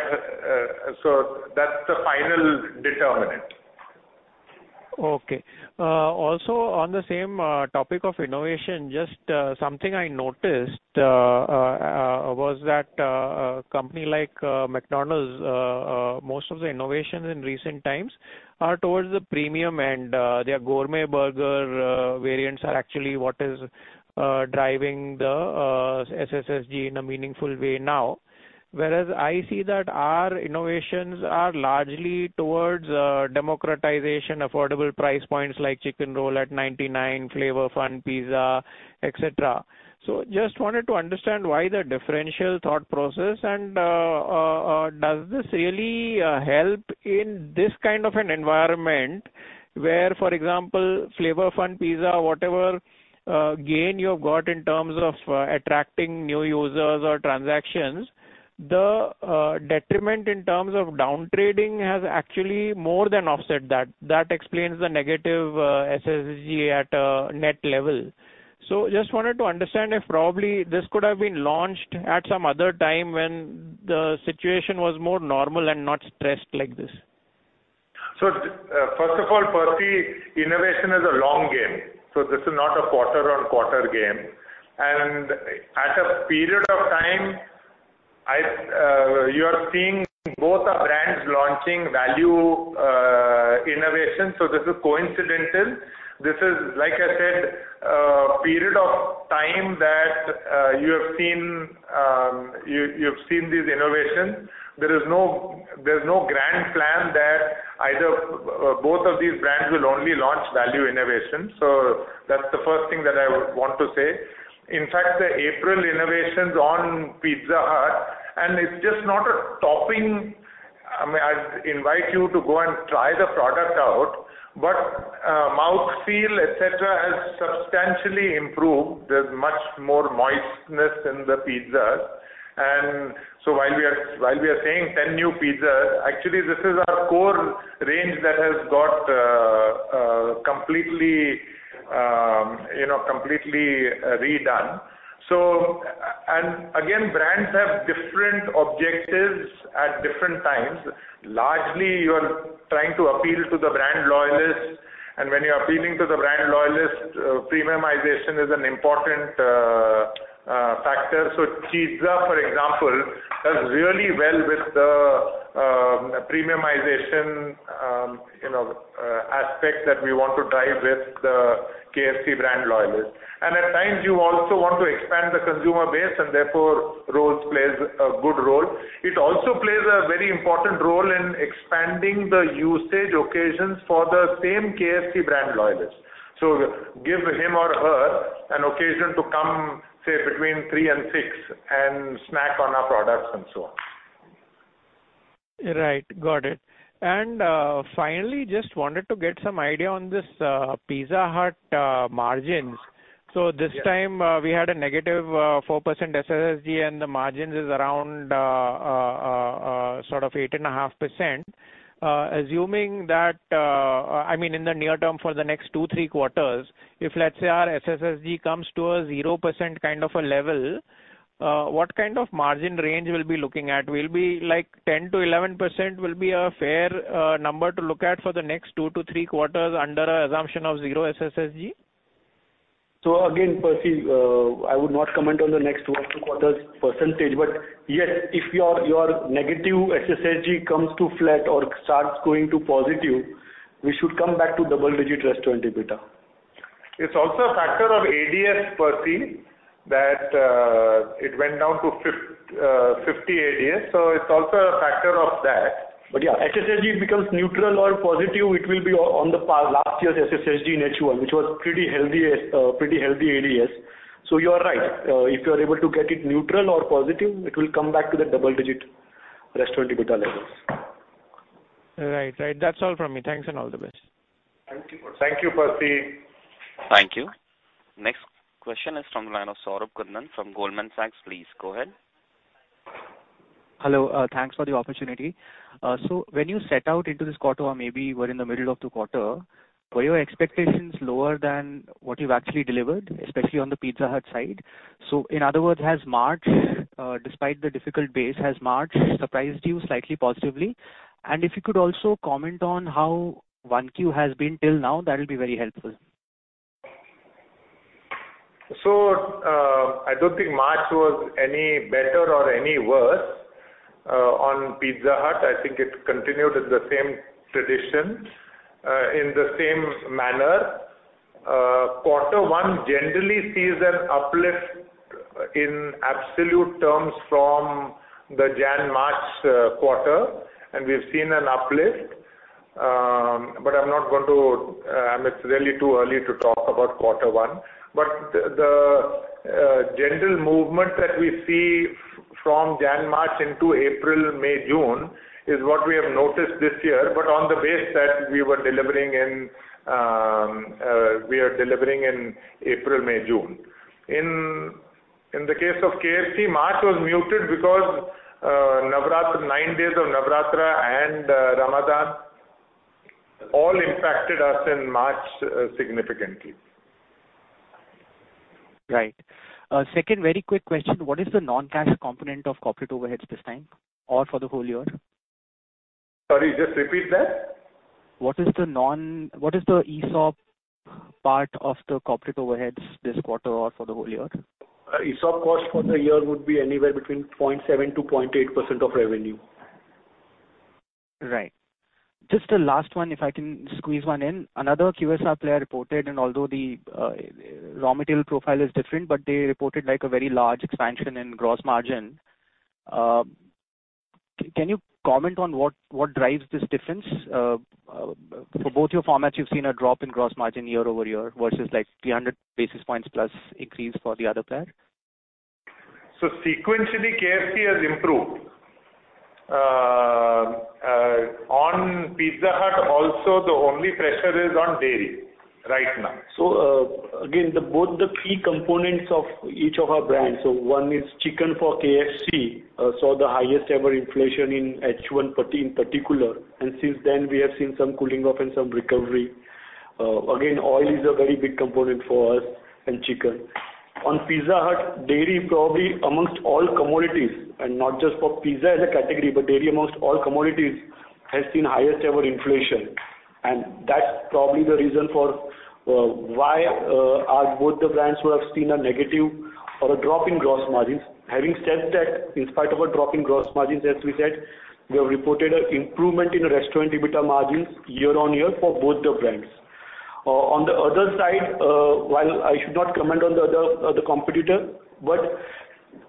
That's the final determinant. Okay. Also on the same topic of innovation, just something I noticed was that a company like McDonald's, most of the innovations in recent times are towards the premium and their gourmet burger variants are actually what is driving the SSSG in a meaningful way now. Whereas I see that our innovations are largely towards democratization, affordable price points like Chicken Roll at 99, Flavour Fun Pizza, et cetera. Just wanted to understand why the differential thought process and does this really help in this kind of an environment where, for example, Flavour Fun Pizza, whatever gain you've got in terms of attracting new users or transactions, the detriment in terms of down trading has actually more than offset that. That explains the negative SSSG at a net level. Just wanted to understand if probably this could have been launched at some other time when the situation was more normal and not stressed like this. First of all, Percy, innovation is a long game, this is not a quarter-on-quarter game. At a period of time, you are seeing both our brands launching value innovation. This is coincidental. This is, like I said, a period of time that you have seen, you've seen these innovations. There is no, there's no grand plan that either both of these brands will only launch value innovation. That's the first thing that I want to say. In fact, the April innovations on Pizza Hut, it's just not a topping. I mean, I'd invite you to go and try the product out, mouthfeel, et cetera, has substantially improved. There's much more moistness in the pizzas. While we are saying 10 new pizzas, actually this is our core range that has got completely, you know, completely redone. Again, brands have different objectives at different times. Largely, you are trying to appeal to the brand loyalists. When you're appealing to the brand loyalists, premiumization is an important factor. CHEEEEEEEEZZA, for example, does really well with the premiumization, you know, aspect that we want to drive with the KFC brand loyalists. At times, you also want to expand the consumer base and therefore, rolls plays a good role. It also plays a very important role in expanding the usage occasions for the same KFC brand loyalists. Give him or her an occasion to come, say, between 3 and 6 and snack on our products and so on. Right. Got it. Finally, just wanted to get some idea on this Pizza Hut margins. This time we had a negative 4% SSSG and the margins is around sort of 8.5%. Assuming that, I mean, in the near term for the next 2-3 quarters, if, let's say our SSSG comes to a 0% kind of a level, what kind of margin range we'll be looking at? Will be like 10%-11% will be a fair number to look at for the next 2-3 quarters under assumption of 0% SSSG? Again, Percy, I would not comment on the next two or three quarters %. Yes, if your negative SSSG comes to flat or starts going to positive, we should come back to double-digit restaurant EBITDA. It's also a factor of ADS, Percy, that, it went down to 50 ADS. It's also a factor of that. Yeah, SSSG becomes neutral or positive, it will be on the last year's SSSG in H1, which was pretty healthy, pretty healthy ADS. You are right. If you are able to get it neutral or positive, it will come back to the double-digit restaurant EBITDA levels. Right. Right. That's all from me. Thanks and all the best. Thank you. Thank you, Percy. Thank you. Next question is from the line of Saurabh Kundan from Goldman Sachs. Please go ahead. Hello. Thanks for the opportunity. So when you set out into this quarter or maybe were in the middle of the quarter, were your expectations lower than what you've actually delivered, especially on the Pizza Hut side? In other words, has March, despite the difficult base, has March surprised you slightly positively? If you could also comment on how 1Q has been till now, that would be very helpful. I don't think March was any better or any worse on Pizza Hut. I think it continued in the same tradition in the same manner. Quarter one generally sees an uplift in absolute terms from the Jan-March quarter, and we've seen an uplift. I'm not going to, it's really too early to talk about quarter one. The general movement that we see from Jan, March into April, May, June is what we have noticed this year. On the base that we were delivering in, we are delivering in April, May, June. In the case of KFC, March was muted because Navratra, nine days of Navratra and Ramadan all impacted us in March significantly. Right. Second very quick question. What is the non-cash component of corporate overheads this time or for the whole year? Sorry, just repeat that. What is the ESOP part of the corporate overheads this quarter or for the whole year? ESOP cost for the year would be anywhere between 0.7%-0.8% of revenue. Right. Just a last one, if I can squeeze one in. Another QSR player reported, and although the raw material profile is different, but they reported, like, a very large expansion in gross margin. Can you comment on what drives this difference? For both your formats, you've seen a drop in gross margin year-over-year versus, like, 300 basis points plus increase for the other player. Sequentially, KFC has improved. On Pizza Hut also, the only pressure is on dairy right now. Again, the both the key components of each of our brands. One is chicken for KFC, saw the highest ever inflation in H1 in particular. Since then, we have seen some cooling off and some recovery. Again, oil is a very big component for us and chicken. On Pizza Hut, dairy probably amongst all commodities, and not just for pizza as a category, but dairy amongst all commodities has seen highest ever inflation. That's probably the reason for why are both the brands who have seen a negative or a drop in gross margins. Having said that, in spite of a drop in gross margins, as we said, we have reported an improvement in restaurant EBITDA margins year-on-year for both the brands. On the other side, while I should not comment on the other competitor, but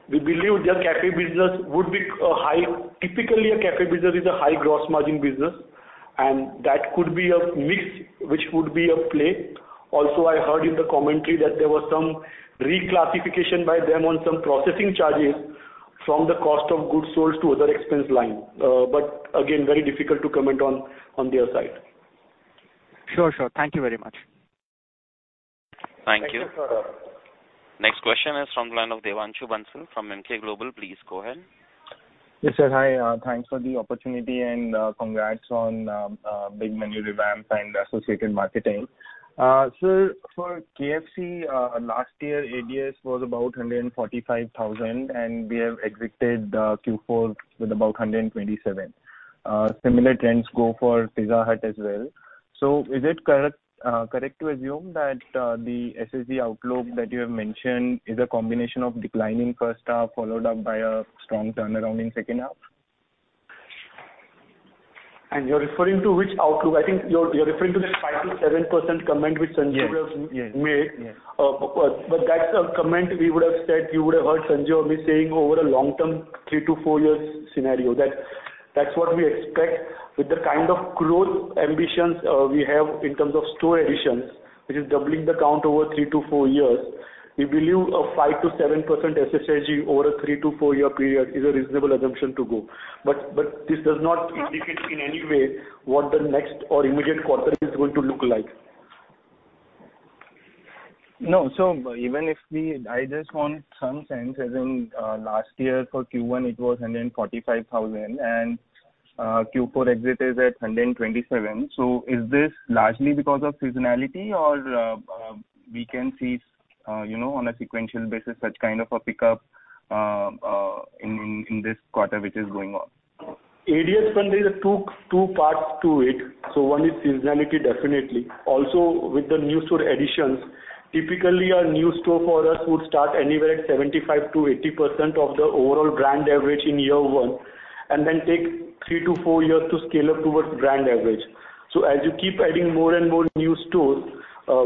we believe their cafe business would be high. Typically, a cafe business is a high gross margin business, and that could be a mix which would be a play. Also, I heard in the commentary that there was some reclassification by them on some processing charges from the cost of goods sold to other expense line. Again, very difficult to comment on their side. Sure. Thank you very much. Thank you. Thank you, Saurabh. Next question is from the line of Devanshu Bansal from Emkay Global. Please go ahead. Yes, sir. Hi, thanks for the opportunity and, congrats on, big menu revamp and associated marketing. For KFC, last year ADS was about 145,000, and we have exited Q4 with about 127. Similar trends go for Pizza Hut as well. Is it correct to assume that, the SSSG outlook that you have mentioned is a combination of declining first half followed up by a strong turnaround in second half? You're referring to which outlook? I think you're referring to the 5%-7% comment which Sanjan. Yes. Yes. has made. Yes. But that's a comment we would have said you would have heard Sanjiv or me saying over a long term 3-4 years scenario. That's what we expect with the kind of growth ambitions we have in terms of store additions, which is doubling the count over 3-4 years. We believe a 5%-7% SSG over a 3-4 year period is a reasonable assumption to go. This does not indicate in any way what the next or immediate quarter is going to look like. No. I just want some sense as in, last year for Q1 it was 145,000 and, Q4 exit is at 127,000. Is this largely because of seasonality or, we can see, you know, on a sequential basis such kind of a pickup in this quarter which is going on? ADS 1, there's 2 parts to it. One is seasonality, definitely. Also, with the new store additions, typically a new store for us would start anywhere at 75%-80% of the overall brand average in year 1, and then take 3-4 years to scale up towards brand average. As you keep adding more and more new stores,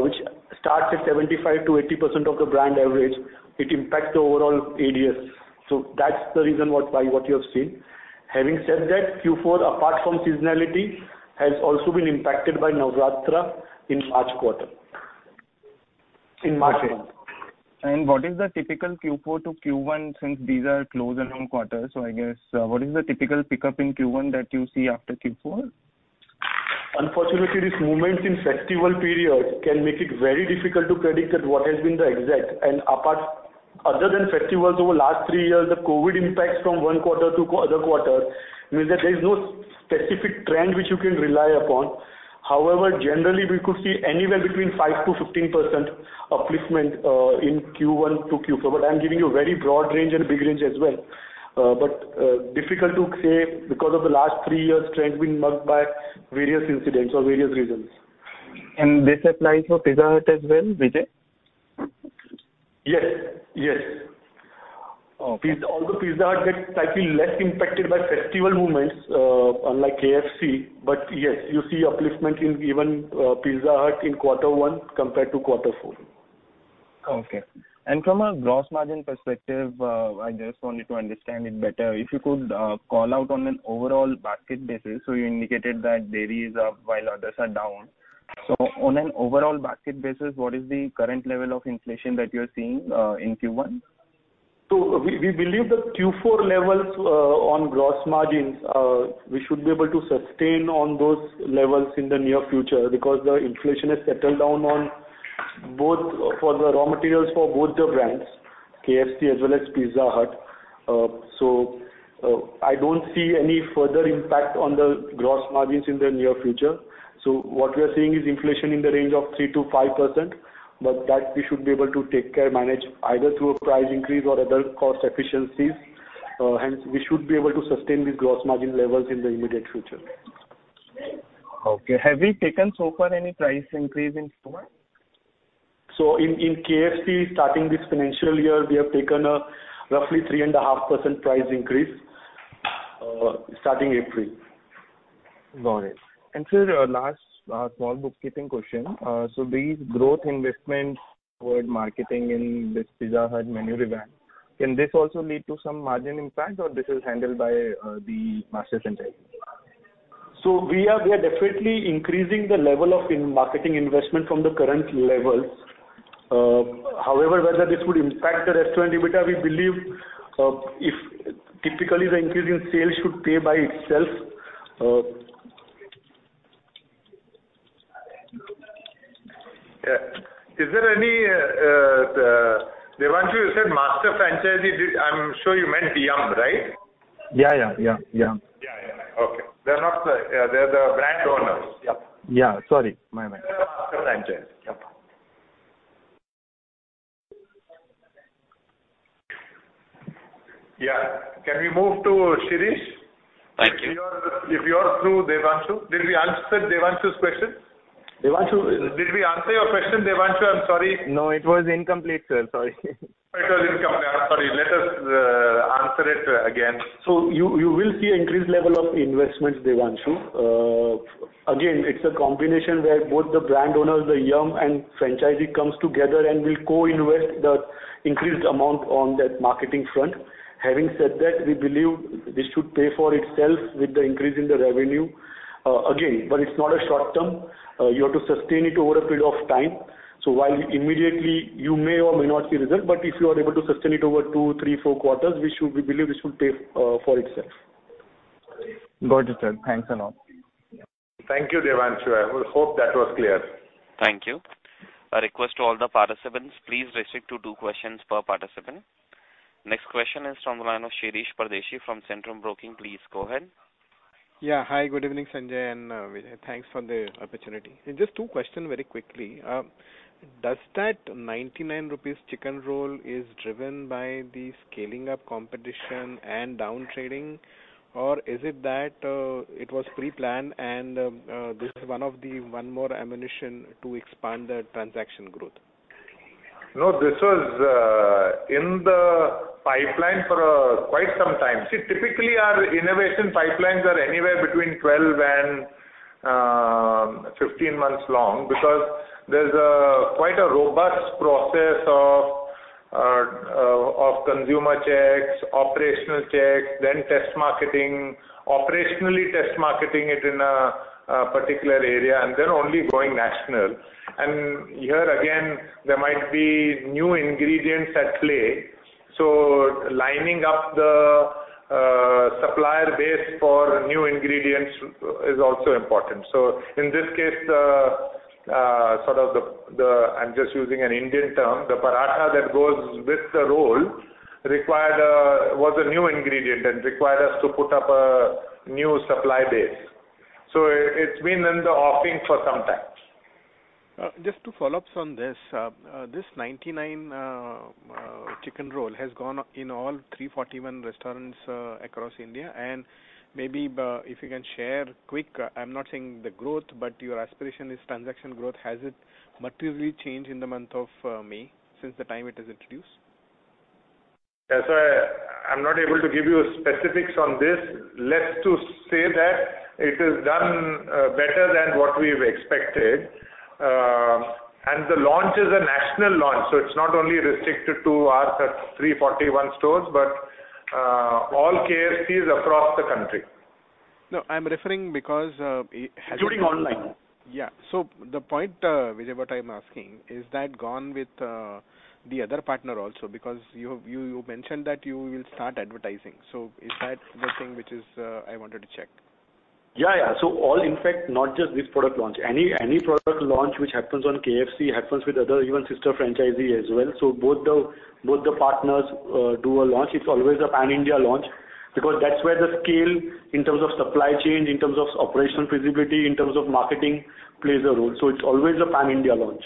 which starts at 75%-80% of the brand average, it impacts the overall ADS. That's the reason what you have seen. Having said that, Q4, apart from seasonality, has also been impacted by Navaratri in March quarter. In March. What is the typical Q4 to Q1 since these are closer home quarters? I guess, what is the typical pickup in Q1 that you see after Q4? Unfortunately, these movements in festival periods can make it very difficult to predict that what has been the exact. Apart, other than festivals over last 3 years, the COVID impacts from 1 quarter to other quarter means that there is no specific trend which you can rely upon. However, generally we could see anywhere between 5%-15% upliftment in Q1 to Q4. I'm giving you a very broad range and a big range as well. Difficult to say because of the last 3 years trend been marked by various incidents or various reasons. This applies for Pizza Hut as well, Vijay? Yes. Yes. Okay. Although Pizza Hut gets slightly less impacted by festival movements, unlike KFC. Yes, you see upliftment in even Pizza Hut in quarter one compared to quarter four. Okay. From a gross margin perspective, I just wanted to understand it better. If you could call out on an overall basket basis. You indicated that dairy is up while others are down. On an overall basket basis, what is the current level of inflation that you're seeing in Q1? We believe the Q4 levels on gross margins, we should be able to sustain on those levels in the near future because the inflation has settled down on both for the raw materials for both the brands, KFC as well as Pizza Hut. I don't see any further impact on the gross margins in the near future. What we are seeing is inflation in the range of 3%-5%, but that we should be able to take care manage either through a price increase or other cost efficiencies. Hence we should be able to sustain these gross margin levels in the immediate future. Okay. Have we taken so far any price increase in store? In KFC, starting this financial year, we have taken a roughly 3.5% price increase, starting April. Got it. Sir, last small bookkeeping question. These growth investments toward marketing in this Pizza Hut menu revamp, can this also lead to some margin impact or this is handled by the master franchisee? We are definitely increasing the level of in-marketing investment from the current levels. However, whether this would impact the restaurant EBITDA, we believe, if typically the increase in sales should pay by itself. Yeah. Devanshu, you said master franchisee. I'm sure you meant Yum!, right? Yeah, yeah. Yeah. Yum!. Yeah, yeah. Okay. They're not the, they're the brand owners. Yep. Yeah, sorry. My bad. They're the master franchisee. Yep. Yeah. Can we move to Shirish? Thank you. If you're through, Devanshu. Did we answer Devanshu's question? Devanshu. Did we answer your question, Devanshu? I'm sorry. No, it was incomplete, sir. Sorry. It was incomplete. I'm sorry. Let us answer it again. You will see increased level of investments, Devanshu. Again, it's a combination where both the brand owners, the Yum! and franchisee comes together and will co-invest the increased amount on that marketing front. Having said that, we believe this should pay for itself with the increase in the revenue. Again, it's not a short term. You have to sustain it over a period of time. While immediately you may or may not see result, but if you are able to sustain it over two, three, four quarters, we believe this should pay for itself. Got it, sir. Thanks a lot. Thank you, Devanshu. I hope that was clear. Thank you. A request to all the participants, please restrict to two questions per participant. Next question is from the line of Shirish Pardeshi from Centrum Broking. Please go ahead. Yeah. Hi. Good evening, Sanjay and Vijay. Thanks for the opportunity. Just two questions very quickly. Does that 99 rupees Chicken Roll is driven by the scaling up competition and down trading? Is it that it was pre-planned and this is one of the one more ammunition to expand the transaction growth? No, this was in the pipeline for quite some time. See, typically our innovation pipelines are anywhere between 12 and 15 months long because there's a quite a robust process of consumer checks, operational checks, then test marketing, operationally test marketing it in a particular area, and then only going national. Here again, there might be new ingredients at play. Lining up the supplier base for new ingredients is also important. In this case, the sort of, I'm just using an Indian term, the paratha that goes with the roll required a new ingredient and required us to put up a new supply base. It's been in the offing for some time. Just to follow up on this. This 99 KFC Chicken Roll has gone in all 341 restaurants across India. If you can share quick, I am not saying the growth, but your aspiration is transaction growth. Has it materially changed in the month of May since the time it is introduced Yeah. I'm not able to give you specifics on this. Let's just say that it is done better than what we've expected. The launch is a national launch, so it's not only restricted to our 341 stores, but all KFCs across the country. No, I'm referring because it has. Including online. The point, Vijay, what I'm asking, is that gone with the other partner also? Because you mentioned that you will start advertising. Is that the thing which is, I wanted to check? Yeah, yeah. All in fact, not just this product launch. Any product launch which happens on KFC happens with other even sister franchisee as well. Both the partners do a launch. It's always a pan-India launch. Because that's where the scale in terms of supply chain, in terms of operational feasibility, in terms of marketing plays a role. It's always a pan-India launch.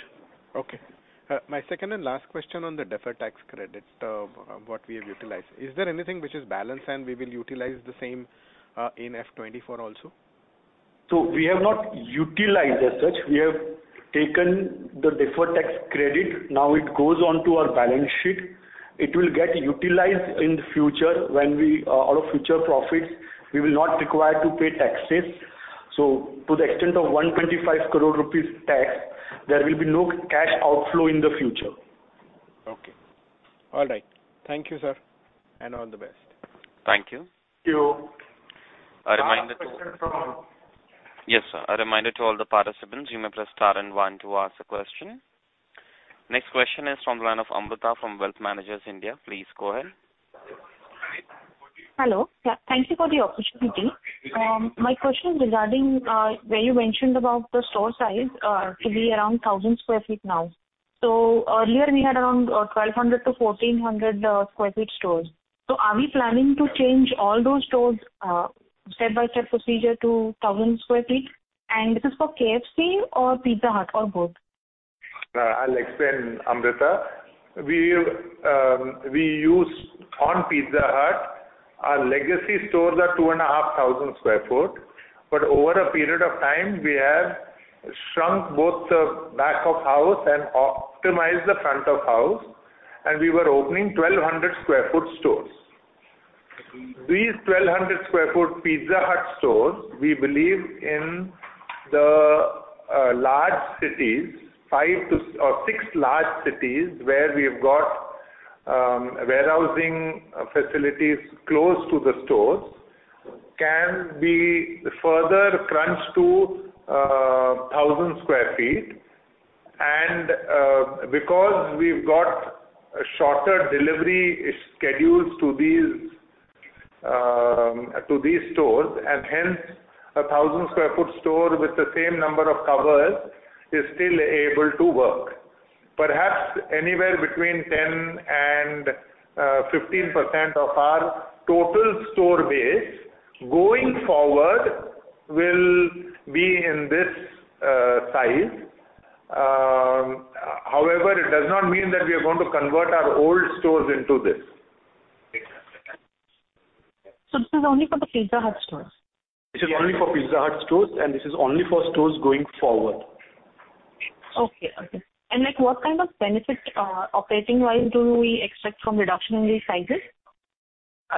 Okay. My second and last question on the deferred tax credit, what we have utilized. Is there anything which is balanced and we will utilize the same in FY24 also? We have not utilized as such. We have taken the deferred tax credit. It goes on to our balance sheet. It will get utilized in the future when we out of future profits, we will not require to pay taxes. To the extent of 125 crore rupees tax, there will be no cash outflow in the future. Okay. All right. Thank you, sir, and all the best. Thank you. Thank you. A reminder to- Question from- Yes, sir. A reminder to all the participants, you may press star and one to ask a question. Next question is from the line of Amruta from Wealth Managers India. Please go ahead. Hello. Thank you for the opportunity. My question is regarding where you mentioned about the store size to be around 1,000 sq ft now. Earlier we had around 1,200-1,400 sq ft stores. Are we planning to change all those stores step-by-step procedure to 1,000 sq ft? This is for KFC or Pizza Hut or both? I'll explain, Amruta. We've, we use on Pizza Hut, our legacy stores are 2,500 sq ft, but over a period of time, we have shrunk both the back of house and optimized the front of house, and we were opening 1,200 sq ft stores. These 1,200 sq ft Pizza Hut stores, we believe in the large cities, 5 or 6 large cities where we've got warehousing facilities close to the stores can be further crunched to 1,000 sq ft. Because we've got shorter delivery schedules to these to these stores, and hence a 1,000 sq ft store with the same number of covers is still able to work. Perhaps anywhere between 10% and 15% of our total store base going forward will be in this size. It does not mean that we are going to convert our old stores into this. This is only for the Pizza Hut stores? This is only for Pizza Hut stores, and this is only for stores going forward. Okay. Okay. Like, what kind of benefit, operating wise do we expect from reduction in these sizes?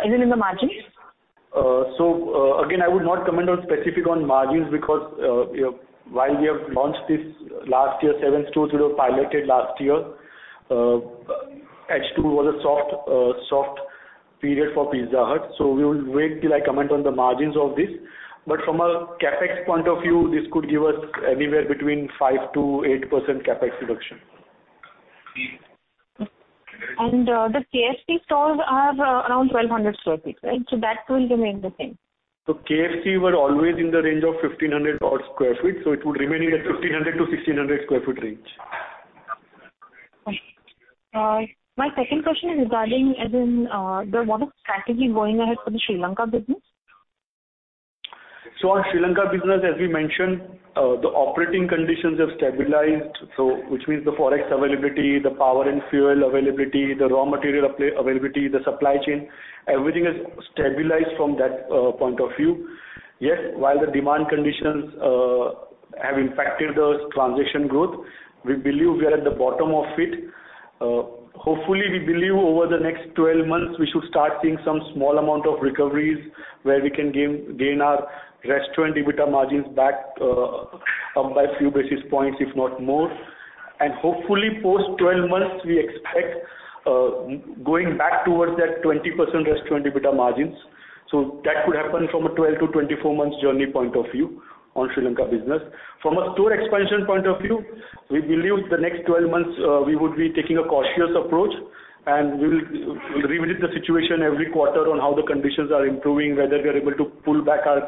Is it in the margins? Again, I would not comment on specific on margins because while we have launched this last year, 7 stores we have piloted last year. H2 was a soft period for Pizza Hut. We will wait till I comment on the margins of this. From a CapEx point of view, this could give us anywhere between 5%-8% CapEx reduction. The KFC stores are around 1,200 sq ft, right? That will remain the same. KFC were always in the range of 1,500 odd sq ft, so it would remain in the 1,500-1,600 sq ft range. Okay. My second question is regarding as in, what is the strategy going ahead for the Sri Lanka business? Our Sri Lanka business, as we mentioned, the operating conditions have stabilized. Which means the Forex availability, the power and fuel availability, the raw material availability, the supply chain, everything is stabilized from that point of view. Yes, while the demand conditions have impacted the transition growth, we believe we are at the bottom of it. Hopefully, we believe over the next 12 months, we should start seeing some small amount of recoveries where we can gain our restaurant EBITDA margins back up by a few basis points, if not more. Hopefully post 12 months, we expect going back towards that 20% restaurant EBITDA margins. That could happen from a 12-24 months journey point of view on Sri Lanka business. From a store expansion point of view, we believe the next 12 months, we would be taking a cautious approach, and we'll revisit the situation every quarter on how the conditions are improving, whether we are able to pull back our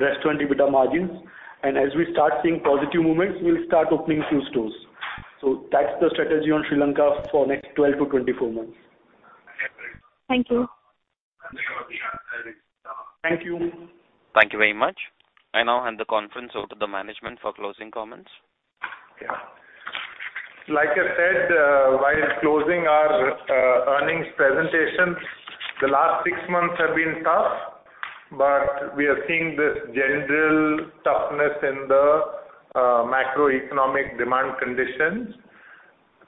restaurant EBITDA margins. As we start seeing positive movements, we'll start opening few stores. That's the strategy on Sri Lanka for next 12-24 months. Thank you. Thank you. Thank you very much. I now hand the conference over to the management for closing comments. Yeah. Like I said, while closing our earnings presentation, the last 6 months have been tough, we are seeing this general toughness in the macroeconomic demand conditions.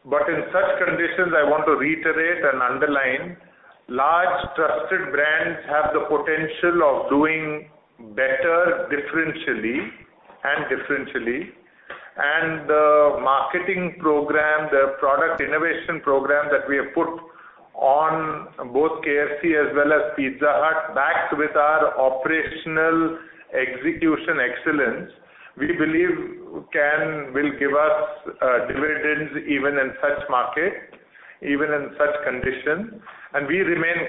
In such conditions, I want to reiterate and underline, large trusted brands have the potential of doing better differentially. The marketing program, the product innovation program that we have put on both KFC as well as Pizza Hut, backed with our operational execution excellence, we believe will give us dividends even in such market, even in such condition. We remain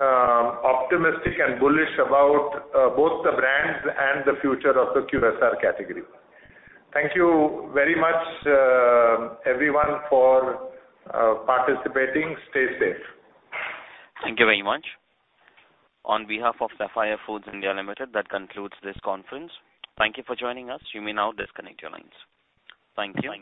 quite optimistic and bullish about both the brands and the future of the QSR category. Thank you very much, everyone for participating. Stay safe. Thank you very much. On behalf of Sapphire Foods India Limited, that concludes this conference. Thank you for joining us. You may now disconnect your lines. Thank you.